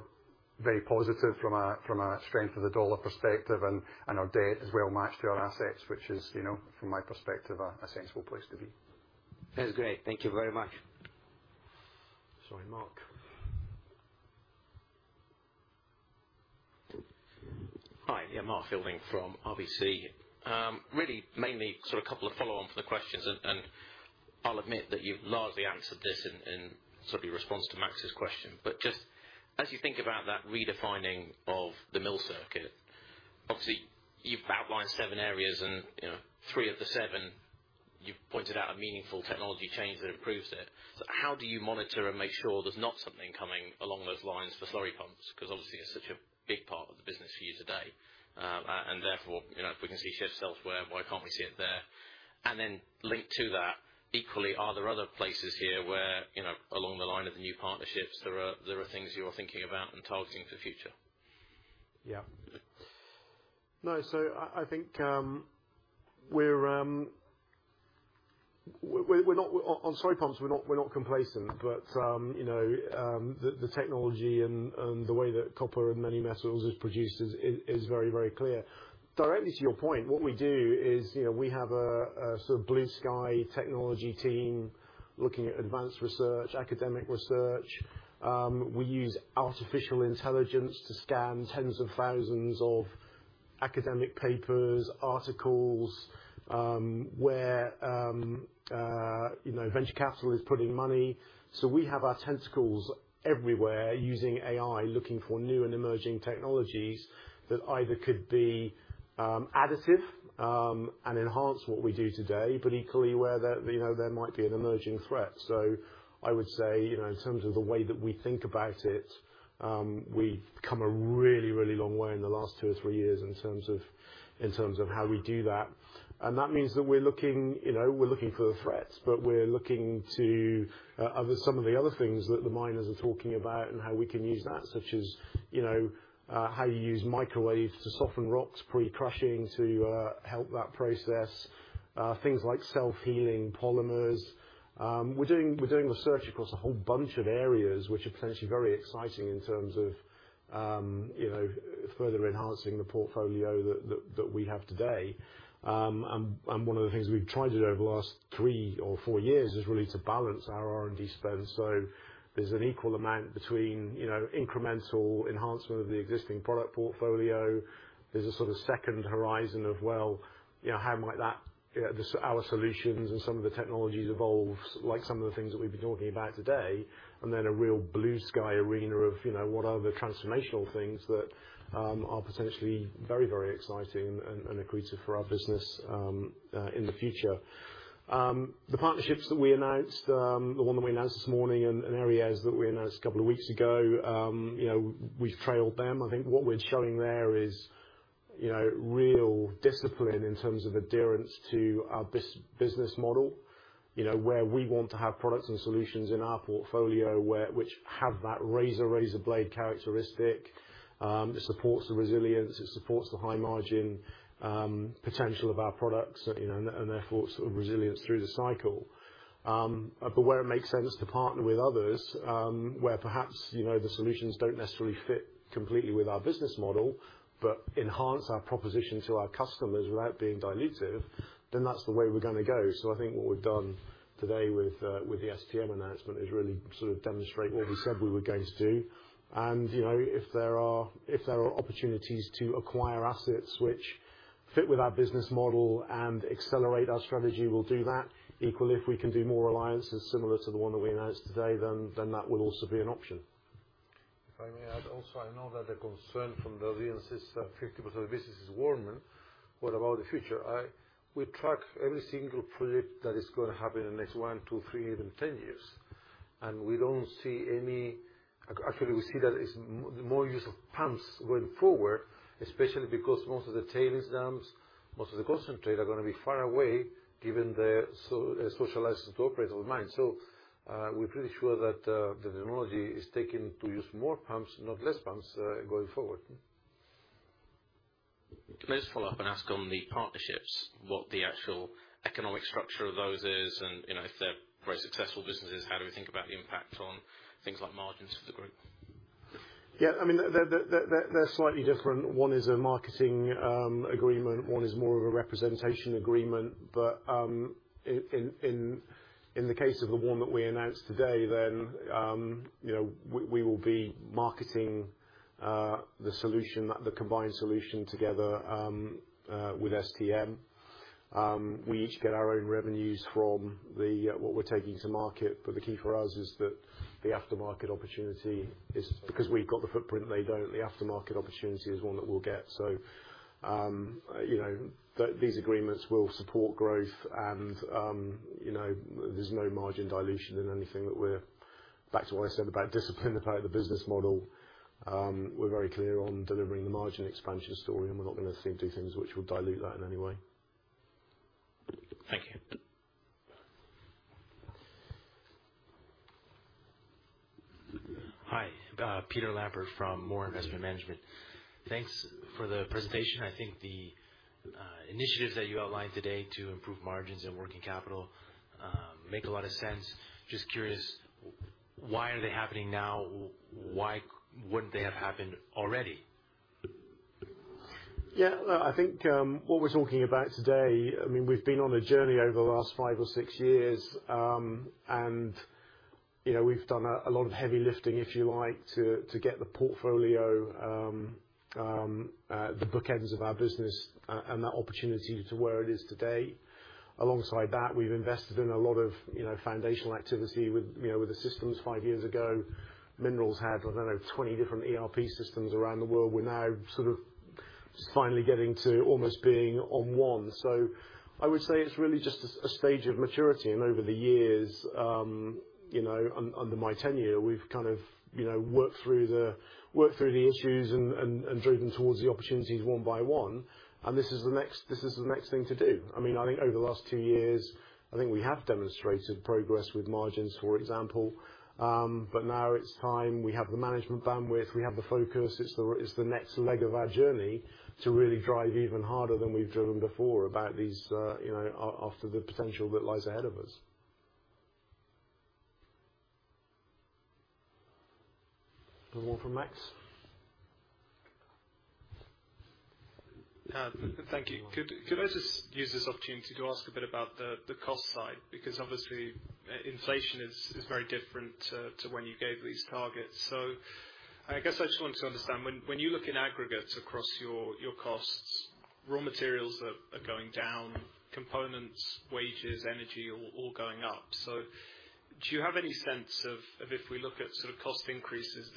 very positive from a strength of the dollar perspective and our debt is well matched to our assets, which is, you know, from my perspective, a sensible place to be. That's great. Thank you very much. Sorry, Mark. Hi. Yeah, Mark Fielding from RBC. Really mainly sort of a couple of follow-on to the questions, and I'll admit that you've largely answered this in sort of your response to Max's question. Just as you think about that redefining of the mill circuit, obviously you've outlined seven areas and, you know, three of the seven, you've pointed out a meaningful technology change that improves it. How do you monitor and make sure there's not something coming along those lines for slurry pumps? Because obviously it's such a big part of the business for you today. Therefore, you know, if we can see shifts elsewhere, why can't we see it there? Linked to that equally, are there other places here where, you know, along the line of the new partnerships there are things you are thinking about and targeting for the future? Yeah. No, I think we're. On slurry pumps, we're not complacent, but you know, the technology and the way that copper and many metals is produced is very clear. Directly to your point, what we do is, you know, we have a sort of blue-sky technology team looking at advanced research, academic research. We use artificial intelligence to scan tens of thousands of academic papers, articles, where you know, venture capital is putting money. We have our tentacles everywhere using AI, looking for new and emerging technologies that either could be additive and enhance what we do today, but equally where there you know, there might be an emerging threat. I would say, you know, in terms of the way that we think about it, we've come a really long way in the last two or three years in terms of how we do that. That means that we're looking, you know, we're looking for threats, but we're looking to some of the other things that the miners are talking about and how we can use that. Such as, you know, how you use microwaves to soften rocks pre-crushing to help that process. Things like self-healing polymers. We're doing research across a whole bunch of areas which are potentially very exciting in terms of, you know, further enhancing the portfolio that we have today. One of the things we've tried to do over the last three or four years is really to balance our R&D spend. There's an equal amount between, you know, incremental enhancement of the existing product portfolio. There's a sort of second horizon of, well, you know, how might that, you know, our solutions and some of the technologies evolve, like some of the things that we've been talking about today. Then a real blue-sky arena of, you know, what are the transformational things that are potentially very, very exciting and accretive for our business in the future. The partnerships that we announced, the one that we announced this morning and others that we announced a couple of weeks ago, you know, we've trailed them. I think what we're showing there is, you know, real discipline in terms of adherence to our business model, you know, where we want to have products and solutions in our portfolio where which have that razor blade characteristic, that supports the resilience, it supports the high margin potential of our products, you know, and therefore sort of resilience through the cycle. But where it makes sense to partner with others, where perhaps, you know, the solutions don't necessarily fit completely with our business model, but enhance our proposition to our customers without being dilutive, then that's the way we're gonna go. I think what we've done today with the STM announcement is really sort of demonstrate what we said we were going to do. You know, if there are opportunities to acquire assets which fit with our business model and accelerate our strategy, we'll do that. Equally, if we can do more alliances similar to the one that we announced today, then that will also be an option. If I may add also, I know that the concern from the audience is that 50% of the business is Warman. What about the future? We track every single project that is gonna happen in the next one, two, three, even 10 years, and we don't see any. Actually, we see that it's more use of pumps going forward, especially because most of the tailings dams, most of the concentrate are gonna be far away given their social license to operate on the mine. We're pretty sure that the technology is tending to use more pumps, not less pumps, going forward. Mm-hmm. Can I just follow up and ask on the partnerships, what the actual economic structure of those is? You know, if they're very successful businesses, how do we think about the impact on things like margins for the group? Yeah. I mean, they're slightly different. One is a marketing agreement, one is more of a representation agreement. In the case of the one that we announced today, then you know, we will be marketing the solution, the combined solution together with STM. We each get our own revenues from the what we're taking to market. The key for us is that the aftermarket opportunity is because we've got the footprint, they don't, the aftermarket opportunity is one that we'll get. These agreements will support growth and, you know, there's no margin dilution in anything. Back to what I said about discipline, about the business model, we're very clear on delivering the margin expansion story, and we're not gonna seek to do things which will dilute that in any way. Thank you. Hi, Peter Lampert from Mawer Investment Management. Thanks for the presentation. I think the initiatives that you outlined today to improve margins and working capital make a lot of sense. Just curious, why are they happening now? Why wouldn't they have happened already? Yeah, look, I think what we're talking about today, I mean, we've been on a journey over the last five or six years. You know, we've done a lot of heavy lifting, if you like, to get the portfolio, the bookends of our business and that opportunity to where it is today. Alongside that, we've invested in a lot of, you know, foundational activity with, you know, with the systems. Five years ago, minerals had, I don't know, 20 different ERP systems around the world. We're now sort of finally getting to almost being on one. I would say it's really just a stage of maturity. Over the years, you know, under my tenure, we've kind of, you know, worked through the issues and driven towards the opportunities one by one, and this is the next thing to do. I mean, I think over the last two years, I think we have demonstrated progress with margins, for example. But now it's time. We have the management bandwidth, we have the focus. It's the next leg of our journey to really drive even harder than we've driven before about these, you know, the potential that lies ahead of us. One more from Max. Thank you. Could I just use this opportunity to ask a bit about the cost side? Because obviously, inflation is very different to when you gave these targets. I guess I just wanted to understand. When you look in aggregate across your costs, raw materials are going down, components, wages, energy are all going up. Do you have any sense of if we look at sort of cost increases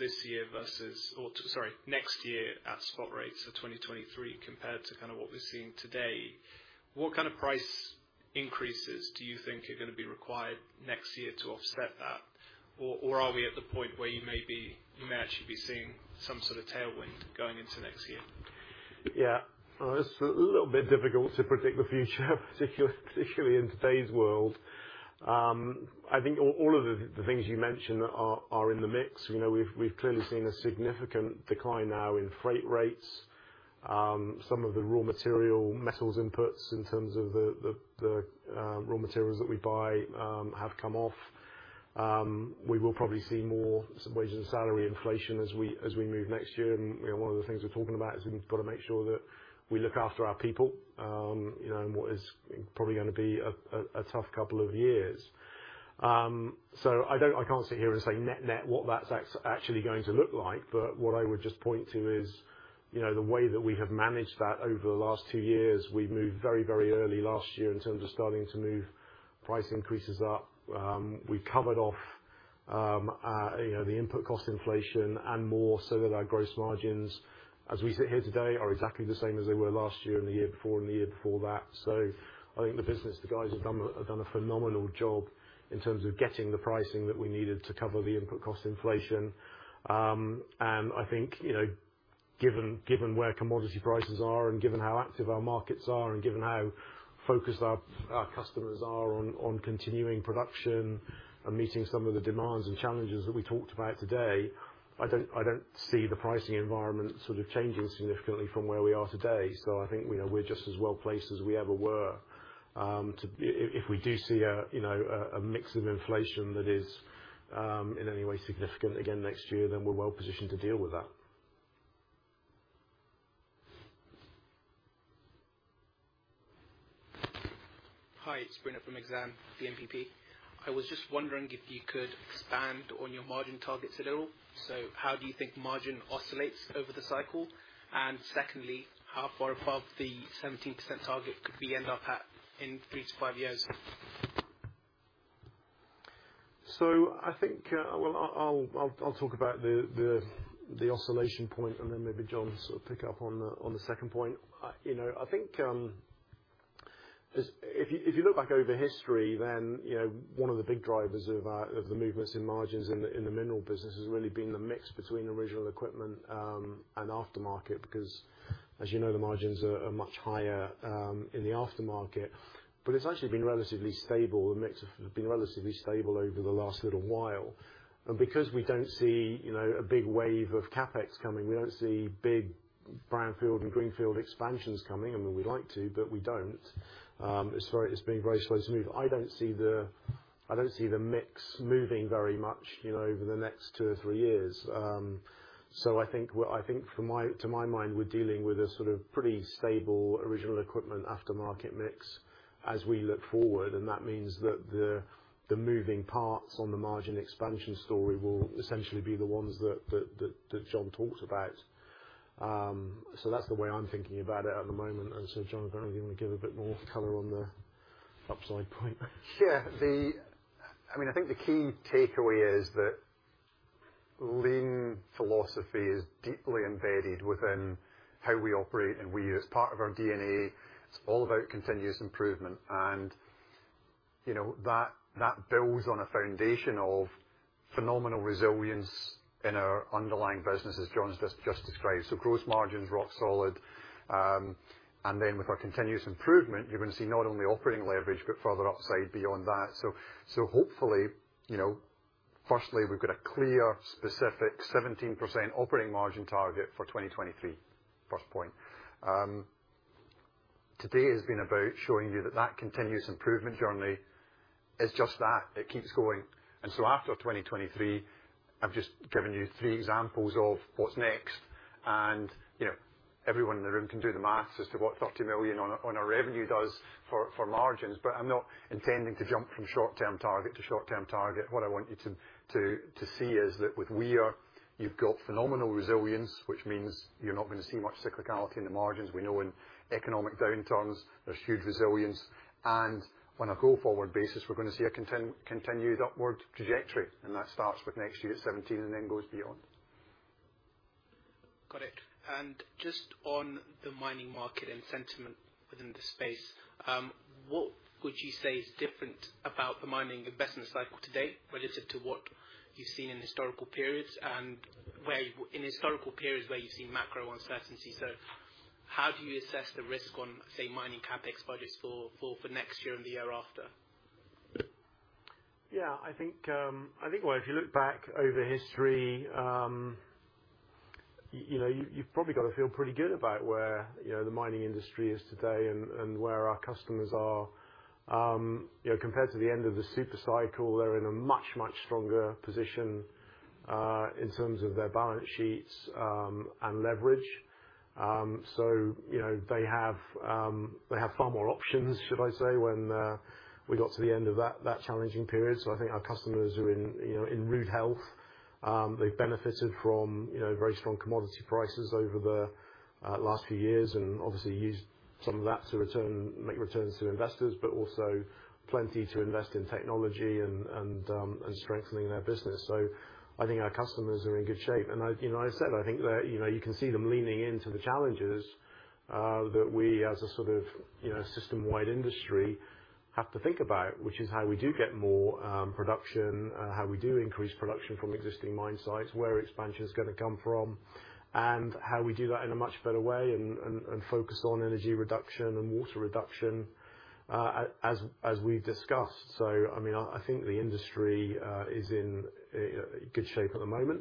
next year at spot rates for 2023 compared to kind of what we're seeing today, what kind of price increases do you think are gonna be required next year to offset that? Or are we at the point where you may actually be seeing some sort of tailwind going into next year? Yeah. Well, it's a little bit difficult to predict the future, particularly in today's world. I think all of the things you mentioned are in the mix. You know, we've clearly seen a significant decline now in freight rates. Some of the raw material metals inputs in terms of the raw materials that we buy have come off. We will probably see more wage and salary inflation as we move next year. You know, one of the things we're talking about is we've gotta make sure that we look after our people, you know, in what is probably gonna be a tough couple of years. I can't sit here and say net net what that's actually going to look like. What I would just point to is, you know, the way that we have managed that over the last two years. We've moved very, very early last year in terms of starting to move price increases up. We covered off the input cost inflation and more so that our gross margins, as we sit here today, are exactly the same as they were last year and the year before and the year before that. I think the business, the guys have done a phenomenal job in terms of getting the pricing that we needed to cover the input cost inflation. I think, you know, given where commodity prices are, and given how active our markets are, and given how focused our customers are on continuing production and meeting some of the demands and challenges that we talked about today, I don't see the pricing environment sort of changing significantly from where we are today. I think, you know, we're just as well placed as we ever were. If we do see, you know, a mix of inflation that is in any way significant again next year, then we're well positioned to deal with that. Hi, it's Bruno from BNP Paribas Exane. I was just wondering if you could expand on your margin targets at all. How do you think margin oscillates over the cycle? Secondly, how far above the 17% target could we end up at in 3-5 years? I think, I'll talk about the oscillation point and then maybe Jon sort of pick up on the second point. You know, I think, if you look back over history then, you know, one of the big drivers of the movements in margins in the mineral business has really been the mix between original equipment and aftermarket. Because as you know the margins are much higher in the aftermarket. But it's actually been relatively stable. The mix has been relatively stable over the last little while. Because we don't see, you know, a big wave of CapEx coming, we don't see big brownfield and greenfield expansions coming. I mean, we'd like to, but we don't. It's been very slow to move. I don't see the mix moving very much, you know, over the next two or three years. I think to my mind, we're dealing with a sort of pretty stable original equipment aftermarket mix as we look forward, and that means that the moving parts on the margin expansion story will essentially be the ones that Jon talked about. That's the way I'm thinking about it at the moment. Jon, I don't know if you wanna give a bit more color on the upside point. Sure. I mean, I think the key takeaway is that lean philosophy is deeply embedded within how we operate, and it's part of our DNA. It's all about continuous improvement. You know, that builds on a foundation of phenomenal resilience in our underlying business, as Jon's just described. Gross margins rock solid. With our continuous improvement, you're gonna see not only operating leverage but further upside beyond that. Hopefully, you know, firstly, we've got a clear specific 17% operating margin target for 2023. First point. Today has been about showing you that continuous improvement journey is just that. It keeps going. After 2023, I've just given you three examples of what's next. You know, everyone in the room can do the math as to what 30 million on a revenue does for margins. I'm not intending to jump from short-term target to short-term target. What I want you to see is that with Weir, you've got phenomenal resilience, which means you're not gonna see much cyclicality in the margins. We know in economic downturns there's huge resilience. On a go-forward basis, we're gonna see a continued upward trajectory, and that starts with next year at 17% and then goes beyond. Got it. Just on the mining market and sentiment within the space, what would you say is different about the mining investment cycle today relative to what you've seen in historical periods, and in historical periods where you've seen macro uncertainty? How do you assess the risk on, say, mining CapEx budgets for next year and the year after? Yeah. I think, well, if you look back over history. You know, you've probably got to feel pretty good about where, you know, the mining industry is today and where our customers are. You know, compared to the end of the super cycle, they're in a much stronger position in terms of their balance sheets and leverage. You know, they have far more options, should I say, when we got to the end of that challenging period. I think our customers are in, you know, in rude health. They benefited from, you know, very strong commodity prices over the last few years, and obviously used some of that to make returns to investors, but also plenty to invest in technology and strengthening their business. I think our customers are in good shape. As you know, as I said, I think that you know, you can see them leaning into the challenges that we as a sort of you know, system-wide industry have to think about, which is how we do get more production, how we do increase production from existing mine sites, where expansion is gonna come from, and how we do that in a much better way and focus on energy reduction and water reduction, as we've discussed. I mean, I think the industry is in good shape at the moment.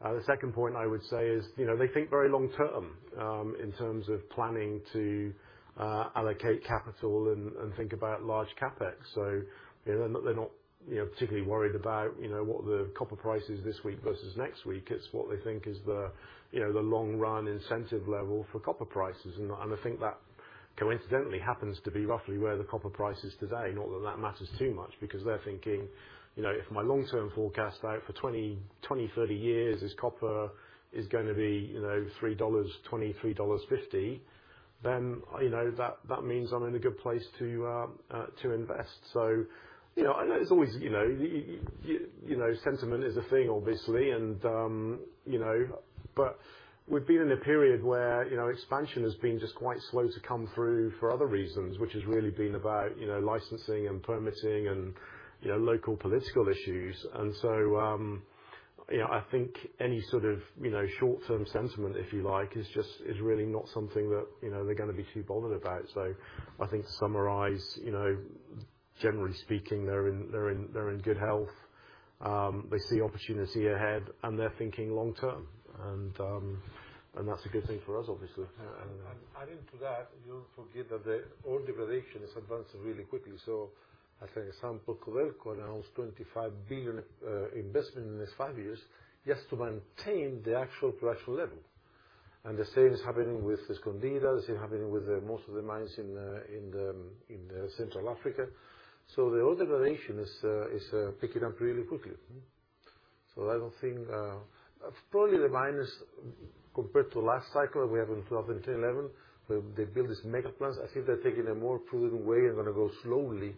The second point I would say is, you know, they think very long term in terms of planning to allocate capital and think about large CapEx. You know, they're not particularly worried about, you know, what the copper price is this week versus next week. It's what they think is the, you know, the long run incentive level for copper prices. I think that coincidentally happens to be roughly where the copper price is today. Not that that matters too much because they're thinking, you know, if my long-term forecast out for 20-30 years is copper is gonna be, you know, $3.20-$3.50, then, you know, that means I'm in a good place to invest. You know, I know it's always, you know, sentiment is a thing obviously, and you know. We've been in a period where, you know, expansion has been just quite slow to come through for other reasons, which has really been about, you know, licensing and permitting and, you know, local political issues. You know, I think any sort of, you know, short-term sentiment, if you like, is just really not something that, you know, they're gonna be too bothered about. I think to summarize, you know, generally speaking, they're in good health. They see opportunity ahead, and they're thinking long term. That's a good thing for us, obviously. Adding to that, you don't forget that the ore degradation is advancing really quickly. As an example, Codelco announced $25 billion investment in these five years just to maintain the actual production level. The same is happening with Escondida, most of the mines in Central Africa. The ore degradation is picking up really quickly. I don't think probably the miners compared to last cycle we have in 2012 and 2010 2011, where they build these mega plants. I think they're taking a more prudent way and gonna go slowly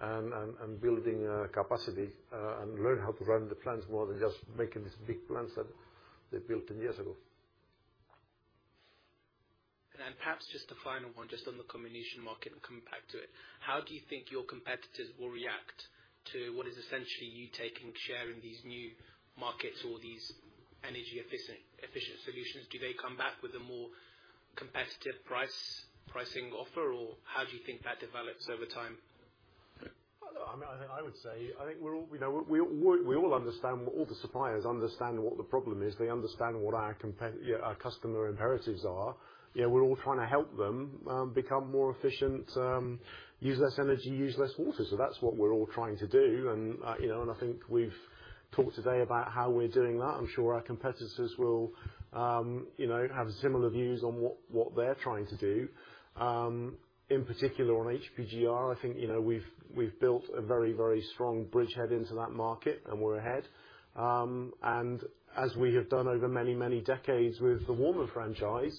and building capacity and learn how to run the plants more than just making these big plants that they built ten years ago. Perhaps just a final one, just on the comminution market and coming back to it. How do you think your competitors will react to what is essentially you taking share in these new markets or these energy efficient solutions? Do they come back with a more competitive pricing offer, or how do you think that develops over time? I mean, I think we're all, you know, we all understand. All the suppliers understand what the problem is. They understand what our customer imperatives are. You know, we're all trying to help them become more efficient, use less energy, use less water. That's what we're all trying to do. You know, I think we've talked today about how we're doing that. I'm sure our competitors will, you know, have similar views on what they're trying to do. In particular on HPGR, I think, you know, we've built a very, very strong bridgehead into that market and we're ahead. As we have done over many, many decades with the Warman franchise,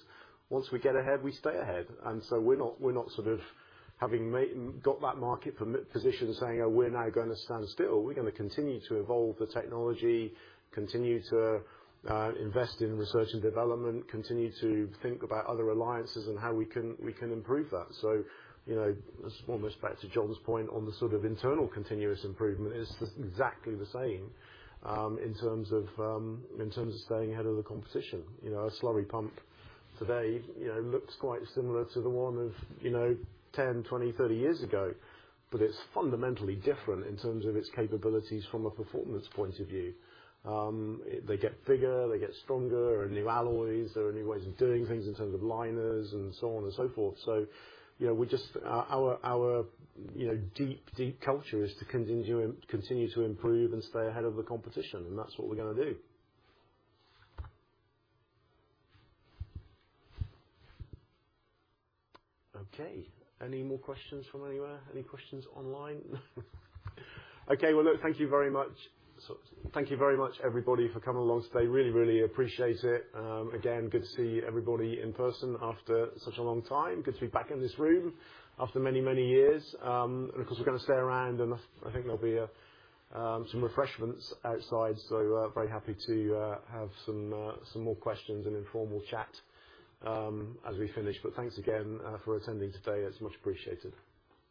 once we get ahead, we stay ahead. We're not sort of having got that market from a position saying, "Oh, we're now gonna stand still." We're gonna continue to evolve the technology, continue to invest in research and development, continue to think about other alliances and how we can improve that. You know, it's almost back to John's point on the sort of internal continuous improvement is exactly the same in terms of staying ahead of the competition. You know, a slurry pump today, you know, looks quite similar to the one of 10, 20, 30 years ago. It's fundamentally different in terms of its capabilities from a performance point of view. They get bigger, they get stronger. There are new alloys. There are new ways of doing things in terms of liners and so on and so forth. You know, our deep culture is to continue to improve and stay ahead of the competition, and that's what we're gonna do. Okay. Any more questions from anywhere? Any questions online? Okay. Well, look, thank you very much. Thank you very much, everybody, for coming along today. Really appreciate it. Again, good to see everybody in person after such a long time. Good to be back in this room after many years. Of course, we're gonna stay around, and I think there'll be some refreshments outside. Very happy to have some more questions and informal chat as we finish. Thanks again for attending today. It's much appreciated.